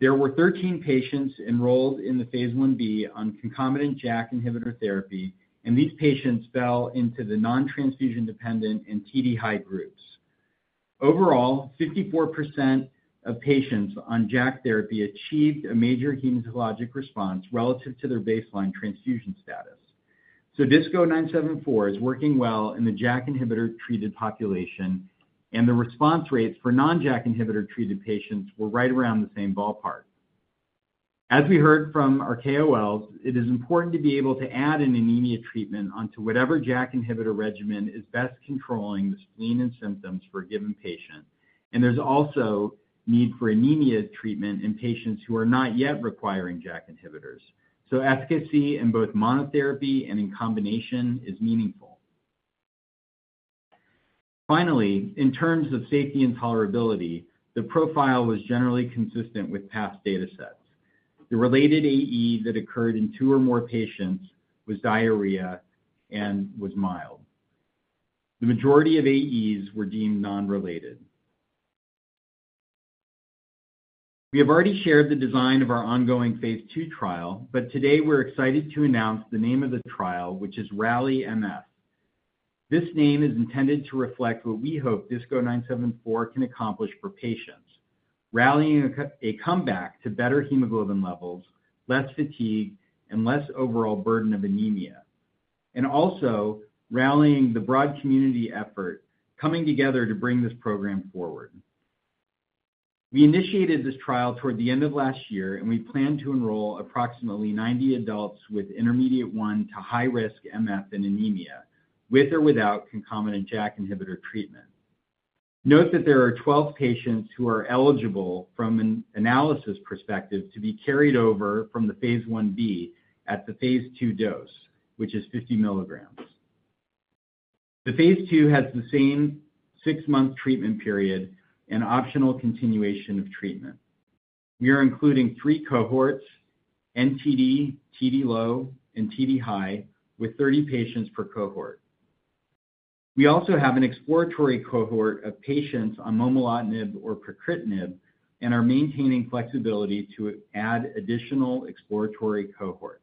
There were 13 patients enrolled in the phase I-B on concomitant JAK inhibitor therapy, and these patients fell into the non-transfusion dependent and TD high groups. Overall, 54% of patients on JAK therapy achieved a major hematologic response relative to their baseline transfusion status. So DISC-0974 is working well in the JAK inhibitor treated population, and the response rates for non-JAK inhibitor treated patients were right around the same ballpark. As we heard from our KOLs, it is important to be able to add an anemia treatment onto whatever JAK inhibitor regimen is best controlling the spleen and symptoms for a given patient. And there's also need for anemia treatment in patients who are not yet requiring JAK inhibitors. So efficacy in both monotherapy and in combination is meaningful. Finally, in terms of safety and tolerability, the profile was generally consistent with past data sets. The related AE that occurred in two or more patients was diarrhea and was mild. The majority of AEs were deemed non-related. We have already shared the design of our ongoing phase II trial, but today we're excited to announce the name of the trial, which is Rally MS. This name is intended to reflect what we hope DISC-0974 can accomplish for patients, rallying a comeback to better hemoglobin levels, less fatigue, and less overall burden of anemia. Also rallying the broad community effort coming together to bring this program forward. We initiated this trial toward the end of last year, and we plan to enroll approximately 90 adults with intermediate one to high risk MS and anemia with or without concomitant JAK inhibitor treatment. Note that there are 12 patients who are eligible from an analysis perspective to be carried over from the phase I-B at the phase II dose, which is 50 mg. The phase II has the same six-month treatment period and optional continuation of treatment. We are including three cohorts, NTD, TD low, and TD high, with 30 patients per cohort. We also have an exploratory cohort of patients on momelotinib or pacritinib and are maintaining flexibility to add additional exploratory cohorts.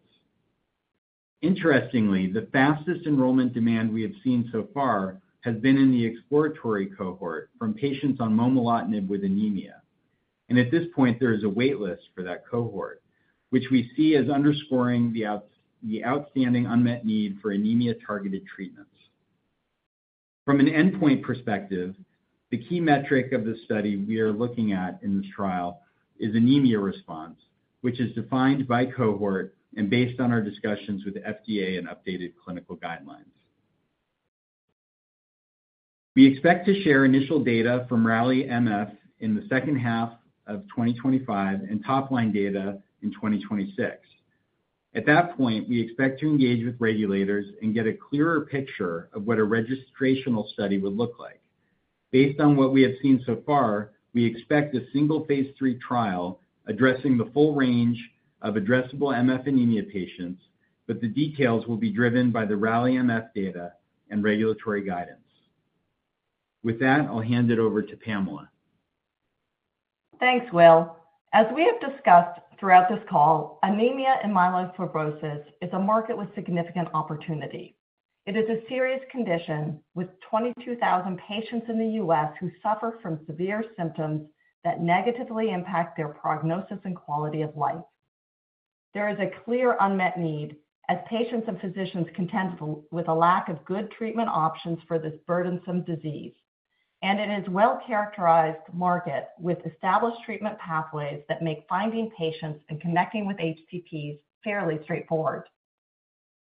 Interestingly, the fastest enrollment demand we have seen so far has been in the exploratory cohort from patients on momelotinib with anemia. At this point, there is a waitlist for that cohort, which we see as underscoring the outstanding unmet need for anemia targeted treatments. From an endpoint perspective, the key metric of the study we are looking at in this trial is anemia response, which is defined by cohort and based on our discussions with the FDA and updated clinical guidelines. We expect to share initial data from Rally MS in the second half of 2025 and top line data in 2026. At that point, we expect to engage with regulators and get a clearer picture of what a registrational study would look like. Based on what we have seen so far, we expect a single phase III trial addressing the full range of addressable MS anemia patients, but the details will be driven by the Rally MS data and regulatory guidance. With that, I'll hand it over to Pamela. Thanks, Will. As we have discussed throughout this call, anemia and myelofibrosis is a market with significant opportunity. It is a serious condition with 22,000 patients in the U.S. who suffer from severe symptoms that negatively impact their prognosis and quality of life. There is a clear unmet need as patients and physicians contend with a lack of good treatment options for this burdensome disease. It is a well-characterized market with established treatment pathways that make finding patients and connecting with HCPs fairly straightforward.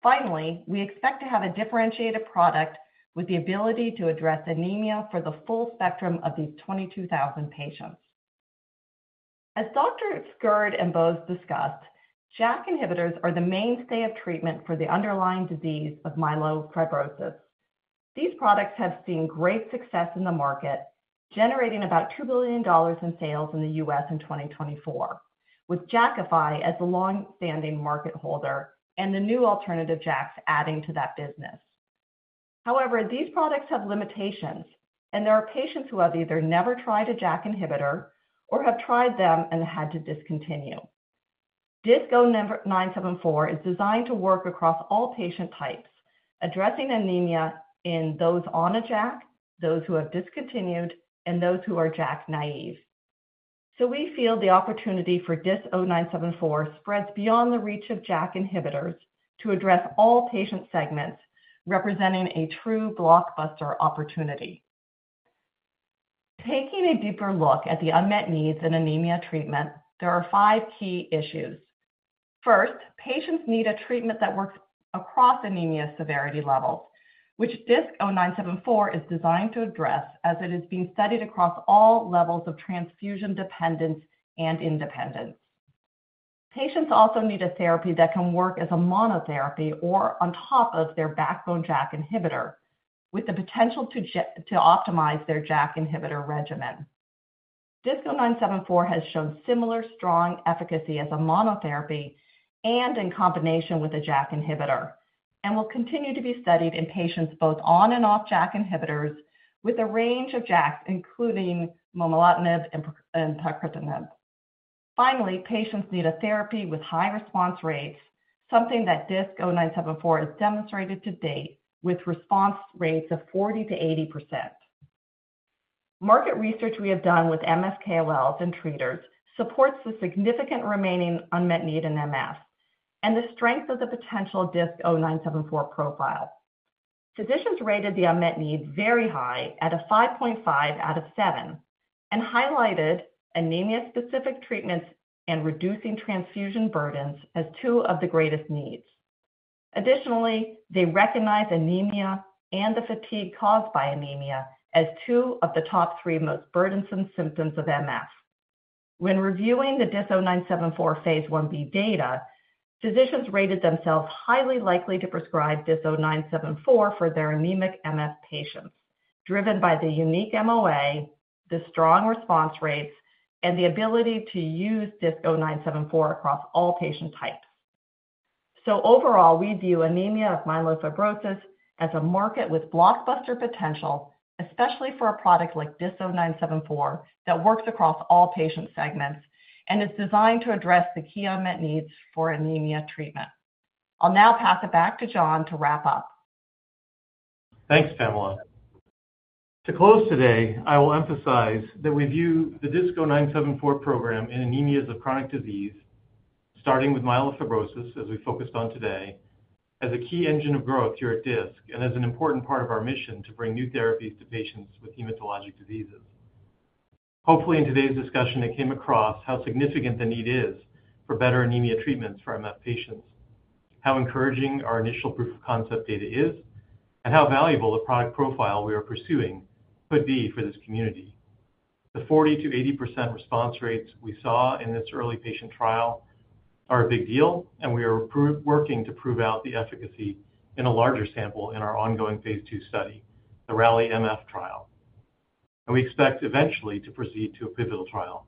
Finally, we expect to have a differentiated product with the ability to address anemia for the full spectrum of these 22,000 patients. As Dr. Gertz and Bose discussed, JAK inhibitors are the mainstay of treatment for the underlying disease of myelofibrosis. These products have seen great success in the market, generating about $2 billion in sales in the U.S. in 2024, with ruxolitinib as the long-standing market holder and the new alternative JAKs adding to that business. However, these products have limitations, and there are patients who have either never tried a JAK inhibitor or have tried them and had to discontinue. DISC-0974 is designed to work across all patient types, addressing anemia in those on a JAK, those who have discontinued, and those who are JAK naive. We feel the opportunity for DISC-0974 spreads beyond the reach of JAK inhibitors to address all patient segments, representing a true blockbuster opportunity. Taking a deeper look at the unmet needs in anemia treatment, there are five key issues. First, patients need a treatment that works across anemia severity levels, which DISC-0974 is designed to address as it is being studied across all levels of transfusion dependence and independence. Patients also need a therapy that can work as a monotherapy or on top of their backbone JAK inhibitor, with the potential to optimize their JAK inhibitor regimen. DISC-0974 has shown similar strong efficacy as a monotherapy and in combination with a JAK inhibitor, and will continue to be studied in patients both on and off JAK inhibitors with a range of JAKs, including momelotinib and pacritinib. Finally, patients need a therapy with high response rates, something that DISC-0974 has demonstrated to date with response rates of 40%-80%. Market research we have done with MS KOLs and treaters supports the significant remaining unmet need in MS and the strength of the potential DISC-0974 profile. Physicians rated the unmet need very high at a 5.5 out of 7 and highlighted anemia-specific treatments and reducing transfusion burdens as two of the greatest needs. Additionally, they recognize anemia and the fatigue caused by anemia as two of the top three most burdensome symptoms of MS. When reviewing the DISC-0974 phase I-B data, physicians rated themselves highly likely to prescribe DISC-0974 for their anemic MS patients, driven by the unique MOA, the strong response rates, and the ability to use DISC-0974 across all patient types. Overall, we view anemia of myelofibrosis as a market with blockbuster potential, especially for a product like DISC-0974 that works across all patient segments and is designed to address the key unmet needs for anemia treatment. I'll now pass it back to John to wrap up. Thanks, Pamela. To close today, I will emphasize that we view the DISC-0974 program in anemias of chronic disease, starting with myelofibrosis, as we focused on today, as a key engine of growth here at Disc and as an important part of our mission to bring new therapies to patients with hematologic diseases. Hopefully, in today's discussion, it came across how significant the need is for better anemia treatments for myelofibrosis patients, how encouraging our initial proof of concept data is, and how valuable the product profile we are pursuing could be for this community. The 40-80% response rates we saw in this early patient trial are a big deal, and we are working to prove out the efficacy in a larger sample in our ongoing phase II study, the Rally MF trial. We expect eventually to proceed to a pivotal trial.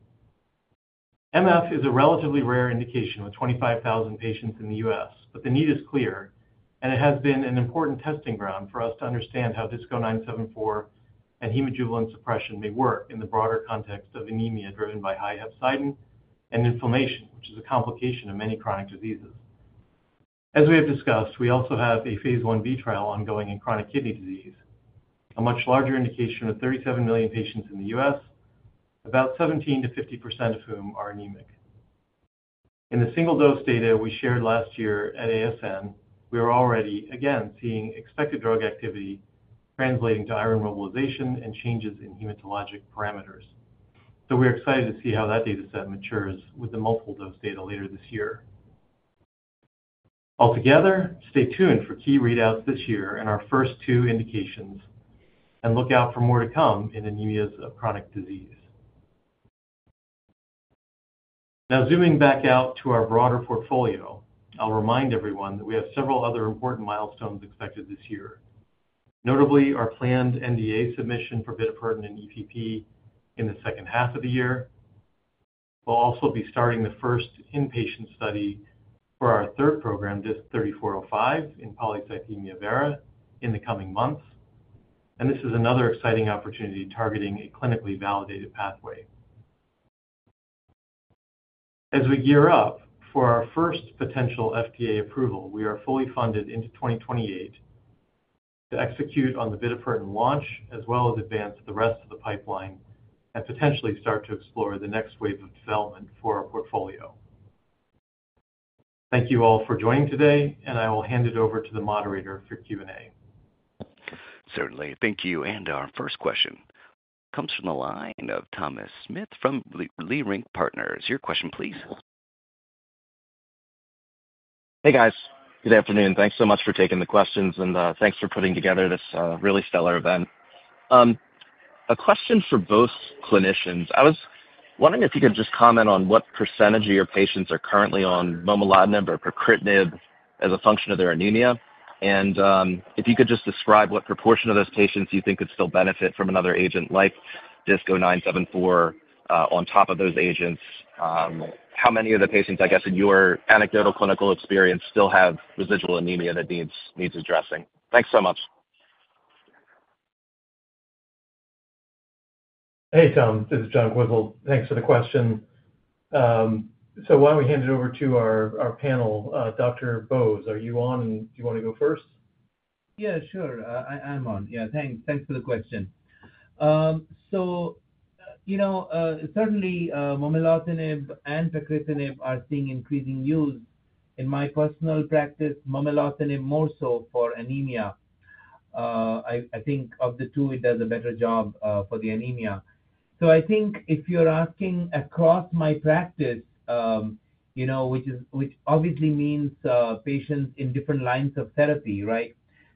Myelofibrosis is a relatively rare indication with 25,000 patients in the U.S., but the need is clear, and it has been an important testing ground for us to understand how DISC-0974 and hemojuvelin suppression may work in the broader context of anemia driven by high hepcidin and inflammation, which is a complication of many chronic diseases. As we have discussed, we also have a phase I-B trial ongoing in chronic kidney disease, a much larger indication of 37 million patients in the U.S., about 17%-50% of whom are anemic. In the single dose data we shared last year at ASN, we are already again seeing expected drug activity translating to iron mobilization and changes in hematologic parameters. We are excited to see how that data set matures with the multiple dose data later this year. Altogether, stay tuned for key readouts this year in our first two indications, and look out for more to come in anemias of chronic disease. Now, zooming back out to our broader portfolio, I'll remind everyone that we have several other important milestones expected this year. Notably, our planned NDA submission for bitopertin in EPP in the second half of the year. We'll also be starting the first inpatient study for our third program, DISC-3405, in polycythemia vera in the coming months. This is another exciting opportunity targeting a clinically validated pathway. As we gear up for our first potential FDA approval, we are fully funded into 2028 to execute on the bitopertin launch as well as advance the rest of the pipeline and potentially start to explore the next wave of development for our portfolio. Thank you all for joining today, and I will hand it over to the moderator for Q&A. Certainly. Thank you. Our first question comes from the line of Thomas Smith from Leerink Partners. Your question, please. Hey, guys. Good afternoon. Thanks so much for taking the questions, and thanks for putting together this really stellar event. A question for both clinicians. I was wondering if you could just comment on what % of your patients are currently on momelotinib or pacritinib as a function of their anemia. And if you could just describe what proportion of those patients you think could still benefit from another agent like DISC-0974 on top of those agents. How many of the patients, I guess, in your anecdotal clinical experience still have residual anemia that needs addressing? Thanks so much. Hey, Tom. This is John Quisel. Thanks for the question. So why do not we hand it over to our panel? Dr. Bose, are you on, and do you want to go first? Yeah, sure. I am on. Yeah. Thanks for the question. So certainly, momelotinib and pacritinib are seeing increasing use. In my personal practice, momelotinib more so for anemia. I think of the two, it does a better job for the anemia. I think if you're asking across my practice, which obviously means patients in different lines of therapy, right?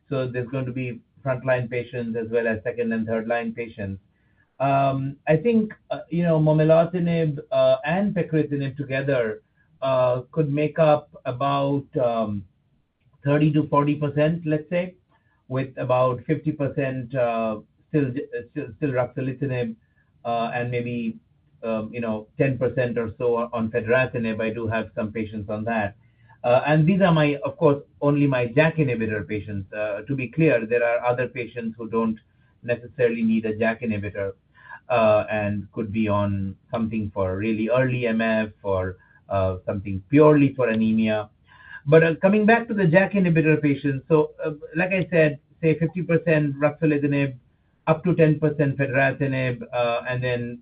There's going to be front-line patients as well as second and third-line patients. I think momelotinib and pacritinib together could make up about 30%-40%, let's say, with about 50% still ruxolitinib and maybe 10% or so on fedratinib. I do have some patients on that. These are, of course, only my JAK inhibitor patients. To be clear, there are other patients who don't necessarily need a JAK inhibitor and could be on something for really early MF or something purely for anemia. Coming back to the JAK inhibitor patients, like I said, say 50% ruxolitinib, up to 10% fedratinib, and then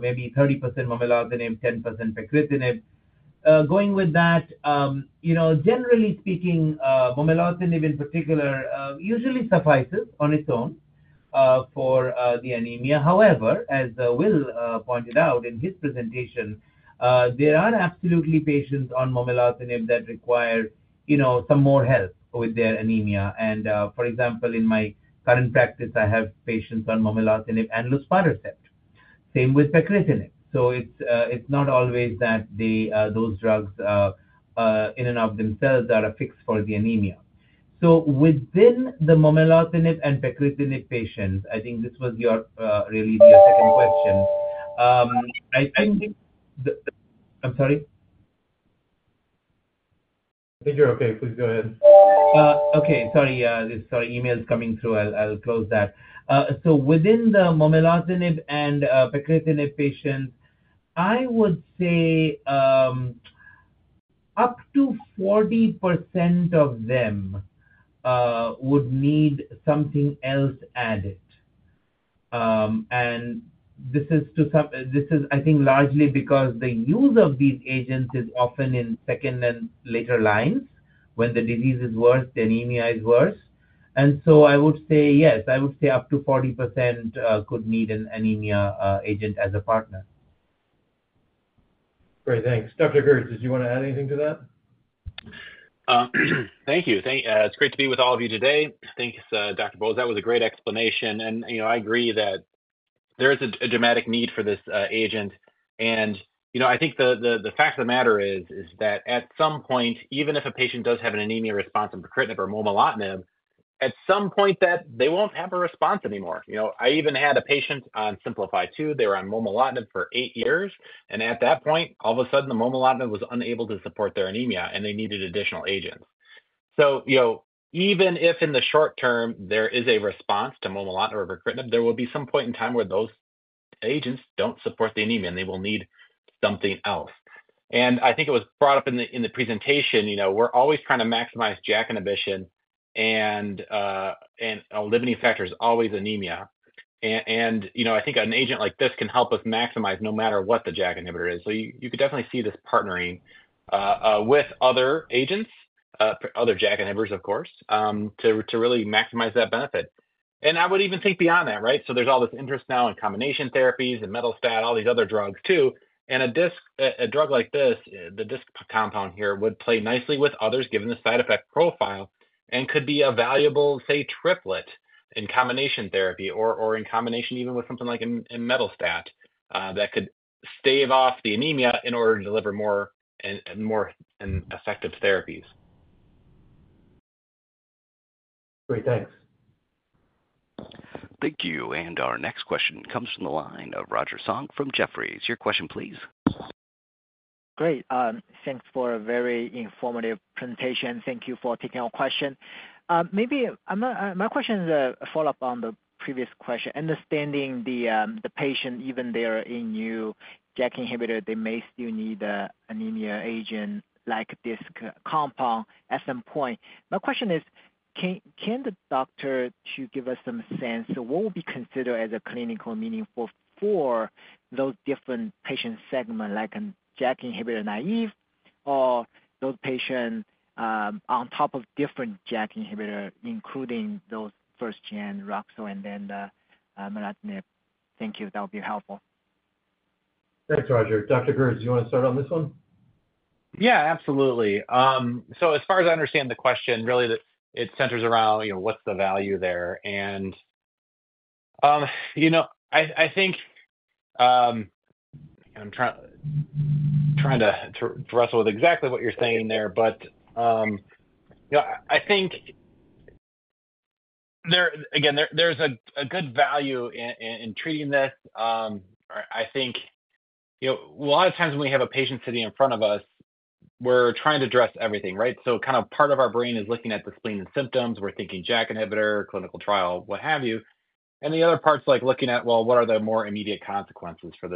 maybe 30% momelotinib, 10% pacritinib. Going with that, generally speaking, momelotinib in particular usually suffices on its own for the anemia. However, as Will pointed out in his presentation, there are absolutely patients on momelotinib that require some more help with their anemia. For example, in my current practice, I have patients on momelotinib and luspatercept. Same with pacritinib. It is not always that those drugs in and of themselves are a fix for the anemia. Within the momelotinib and pacritinib patients, I think this was really your second question. I think the—I'm sorry? I think you're okay. Please go ahead. Okay. Sorry. Sorry. Email's coming through. I'll close that. Within the momelotinib and pacritinib patients, I would say up to 40% of them would need something else added. This is, I think, largely because the use of these agents is often in second and later lines when the disease is worse, the anemia is worse. I would say, yes, I would say up to 40% could need an anemia agent as a partner. Great. Thanks. Dr. Gertz, did you want to add anything to that? Thank you. It's great to be with all of you today. Thanks, Dr. Bose. That was a great explanation. I agree that there is a dramatic need for this agent. I think the fact of the matter is that at some point, even if a patient does have an anemia response on pacritinib or momelotinib, at some point, they won't have a response anymore. I even had a patient on SimpliFi2. They were on momelotinib for eight years. At that point, all of a sudden, the momelotinib was unable to support their anemia, and they needed additional agents. Even if in the short term there is a response to momelotinib or pacritinib, there will be some point in time where those agents do not support the anemia, and they will need something else. I think it was brought up in the presentation. We are always trying to maximize JAK inhibition, and a limiting factor is always anemia. I think an agent like this can help us maximize no matter what the JAK inhibitor is. You could definitely see this partnering with other agents, other JAK inhibitors, of course, to really maximize that benefit. I would even think beyond that, right? There is all this interest now in combination therapies and metal stat, all these other drugs too. A drug like this, the DISC compound here, would play nicely with others given the side effect profile and could be a valuable, say, triplet in combination therapy or in combination even with something like a metal stat that could stave off the anemia in order to deliver more and more effective therapies. Great. Thanks. Thank you. Our next question comes from the line of Roger Song from Jefferies. Your question, please. Great. Thanks for a very informative presentation. Thank you for taking our question. Maybe my question is a follow-up on the previous question. Understanding the patient, even if they are a new JAK inhibitor, they may still need an anemia agent like DISC compound at some point. My question is, can the doctor give us some sense of what would be considered as a clinical meaning for those different patient segments like a JAK inhibitor naive or those patients on top of different JAK inhibitors, including those first-gen ruxo and then the momelotinib? Thank you. That would be helpful. Thanks, Roger. Dr. Gertz, do you want to start on this one? Yeah, absolutely. As far as I understand the question, really, it centers around what's the value there. I think I'm trying to wrestle with exactly what you're saying there, but I think, again, there's a good value in treating this. I think a lot of times when we have a patient sitting in front of us, we're trying to address everything, right? Kind of part of our brain is looking at the spleen and symptoms. We're thinking JAK inhibitor, clinical trial, what have you. The other part's looking at, well, what are the more immediate consequences for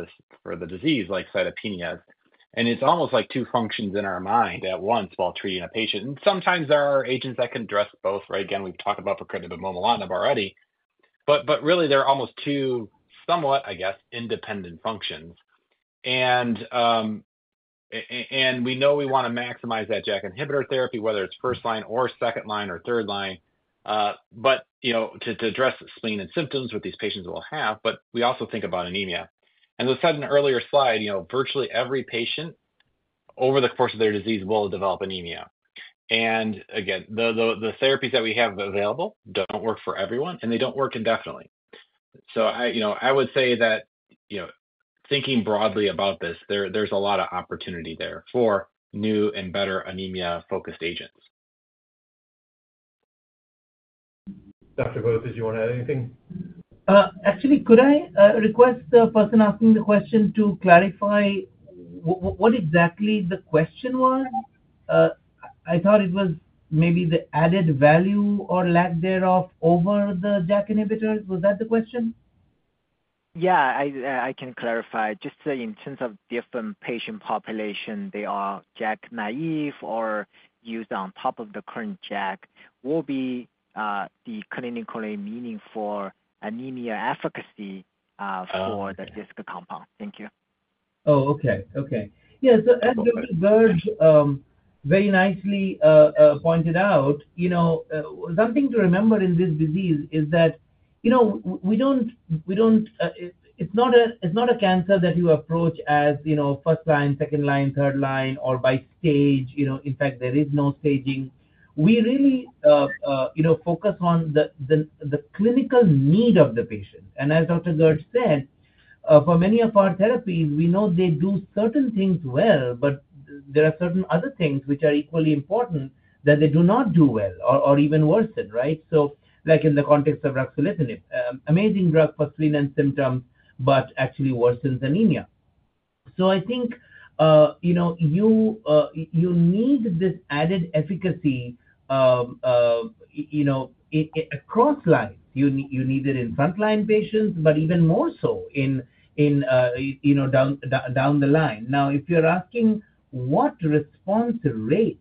the disease, like cytopenias? It's almost like two functions in our mind at once while treating a patient. Sometimes there are agents that can address both, right? Again, we've talked about pacritinib and momelotinib already. Really, they're almost two somewhat, I guess, independent functions. We know we want to maximize that JAK inhibitor therapy, whether it's first line or second line or third line, to address spleen and symptoms with these patients that we'll have. We also think about anemia. As I said in an earlier slide, virtually every patient over the course of their disease will develop anemia. Again, the therapies that we have available don't work for everyone, and they don't work indefinitely. I would say that thinking broadly about this, there's a lot of opportunity there for new and better anemia-focused agents. Dr. Bose, did you want to add anything? Actually, could I request the person asking the question to clarify what exactly the question was? I thought it was maybe the added value or lack thereof over the JAK inhibitors. Was that the question? Yeah, I can clarify. Just in terms of different patient population, they are JAK naive or used on top of the current JAK, what would be the clinically meaningful anemia efficacy for the DISC compound? Thank you. Oh, okay. Okay. Yeah. As Dr. Gertz very nicely pointed out, something to remember in this disease is that we don't—it's not a cancer that you approach as first line, second line, third line, or by stage. In fact, there is no staging. We really focus on the clinical need of the patient. As Dr. Gertz said, for many of our therapies, we know they do certain things well, but there are certain other things which are equally important that they do not do well or even worsen, right? In the context of ruxolitinib, an amazing drug for spleen and symptoms, it actually worsens anemia. I think you need this added efficacy across lines. You need it in front-line patients, but even more so down the line. Now, if you're asking what response rate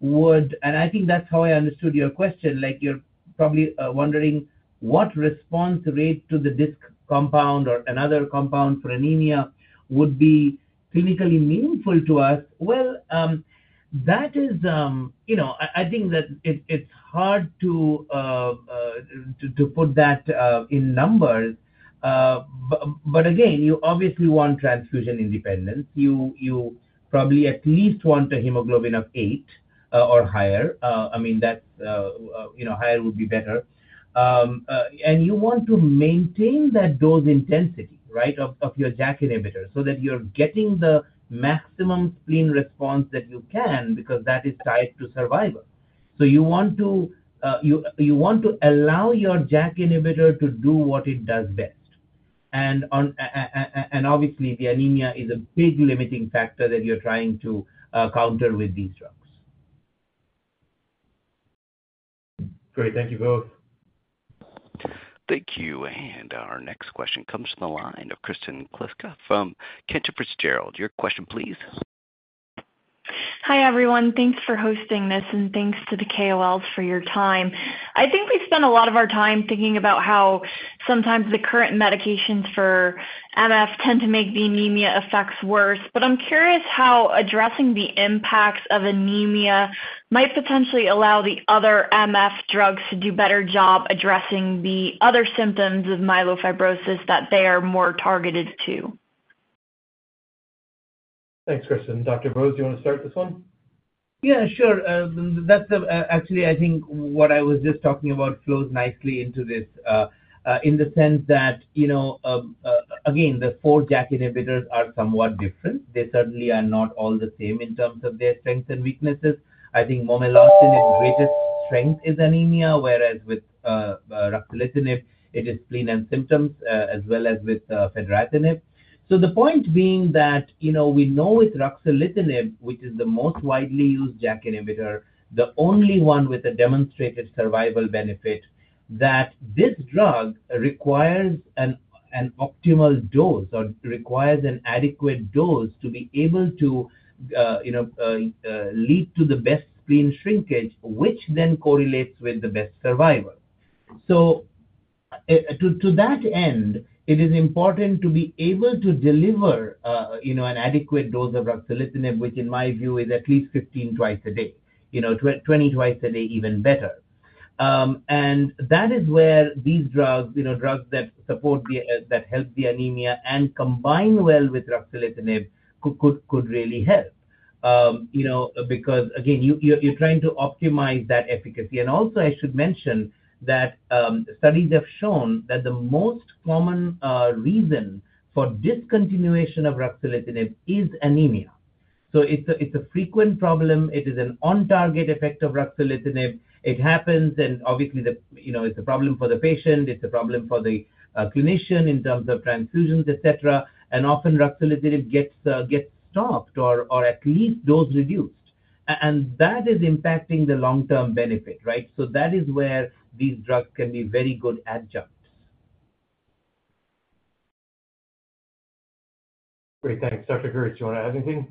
would—and I think that's how I understood your question—like you're probably wondering what response rate to the DISC compound or another compound for anemia would be clinically meaningful to us. That is—I think that it's hard to put that in numbers. Again, you obviously want transfusion independence. You probably at least want a hemoglobin of 8 or higher. I mean, higher would be better. You want to maintain that dose intensity, right, of your JAK inhibitor so that you're getting the maximum spleen response that you can because that is tied to survival. You want to allow your JAK inhibitor to do what it does best. Obviously, the anemia is a big limiting factor that you're trying to counter with these drugs. Great. Thank you both. Thank you. Our next question comes from the line of Kristen Kluska from Cantor Fitzgerald. Your question, please. Hi, everyone. Thanks for hosting this, and thanks to the KOLs for your time. I think we spend a lot of our time thinking about how sometimes the current medications for MF tend to make the anemia effects worse. I'm curious how addressing the impacts of anemia might potentially allow the other MF drugs to do a better job addressing the other symptoms of myelofibrosis that they are more targeted to. Thanks, Kristen. Dr. Bose, do you want to start this one? Yeah, sure. Actually, I think what I was just talking about flows nicely into this in the sense that, again, the four JAK inhibitors are somewhat different. They certainly are not all the same in terms of their strengths and weaknesses. I think momelotinib's greatest strength is anemia, whereas with ruxolitinib, it is spleen and symptoms as well as with fedratinib. The point being that we know with ruxolitinib, which is the most widely used JAK inhibitor, the only one with a demonstrated survival benefit, that this drug requires an optimal dose or requires an adequate dose to be able to lead to the best spleen shrinkage, which then correlates with the best survival. To that end, it is important to be able to deliver an adequate dose of ruxolitinib, which in my view is at least 15 twice a day, 20 twice a day, even better. That is where these drugs that help the anemia and combine well with ruxolitinib could really help because, again, you're trying to optimize that efficacy. Also, I should mention that studies have shown that the most common reason for discontinuation of ruxolitinib is anemia. It is a frequent problem. It is an on-target effect of ruxolitinib. It happens, and obviously, it's a problem for the patient. It's a problem for the clinician in terms of transfusions, etc. Often, ruxolitinib gets stopped or at least dose-reduced. That is impacting the long-term benefit, right? That is where these drugs can be very good adjuncts. Great. Thanks. Dr. Gertz, do you want to add anything?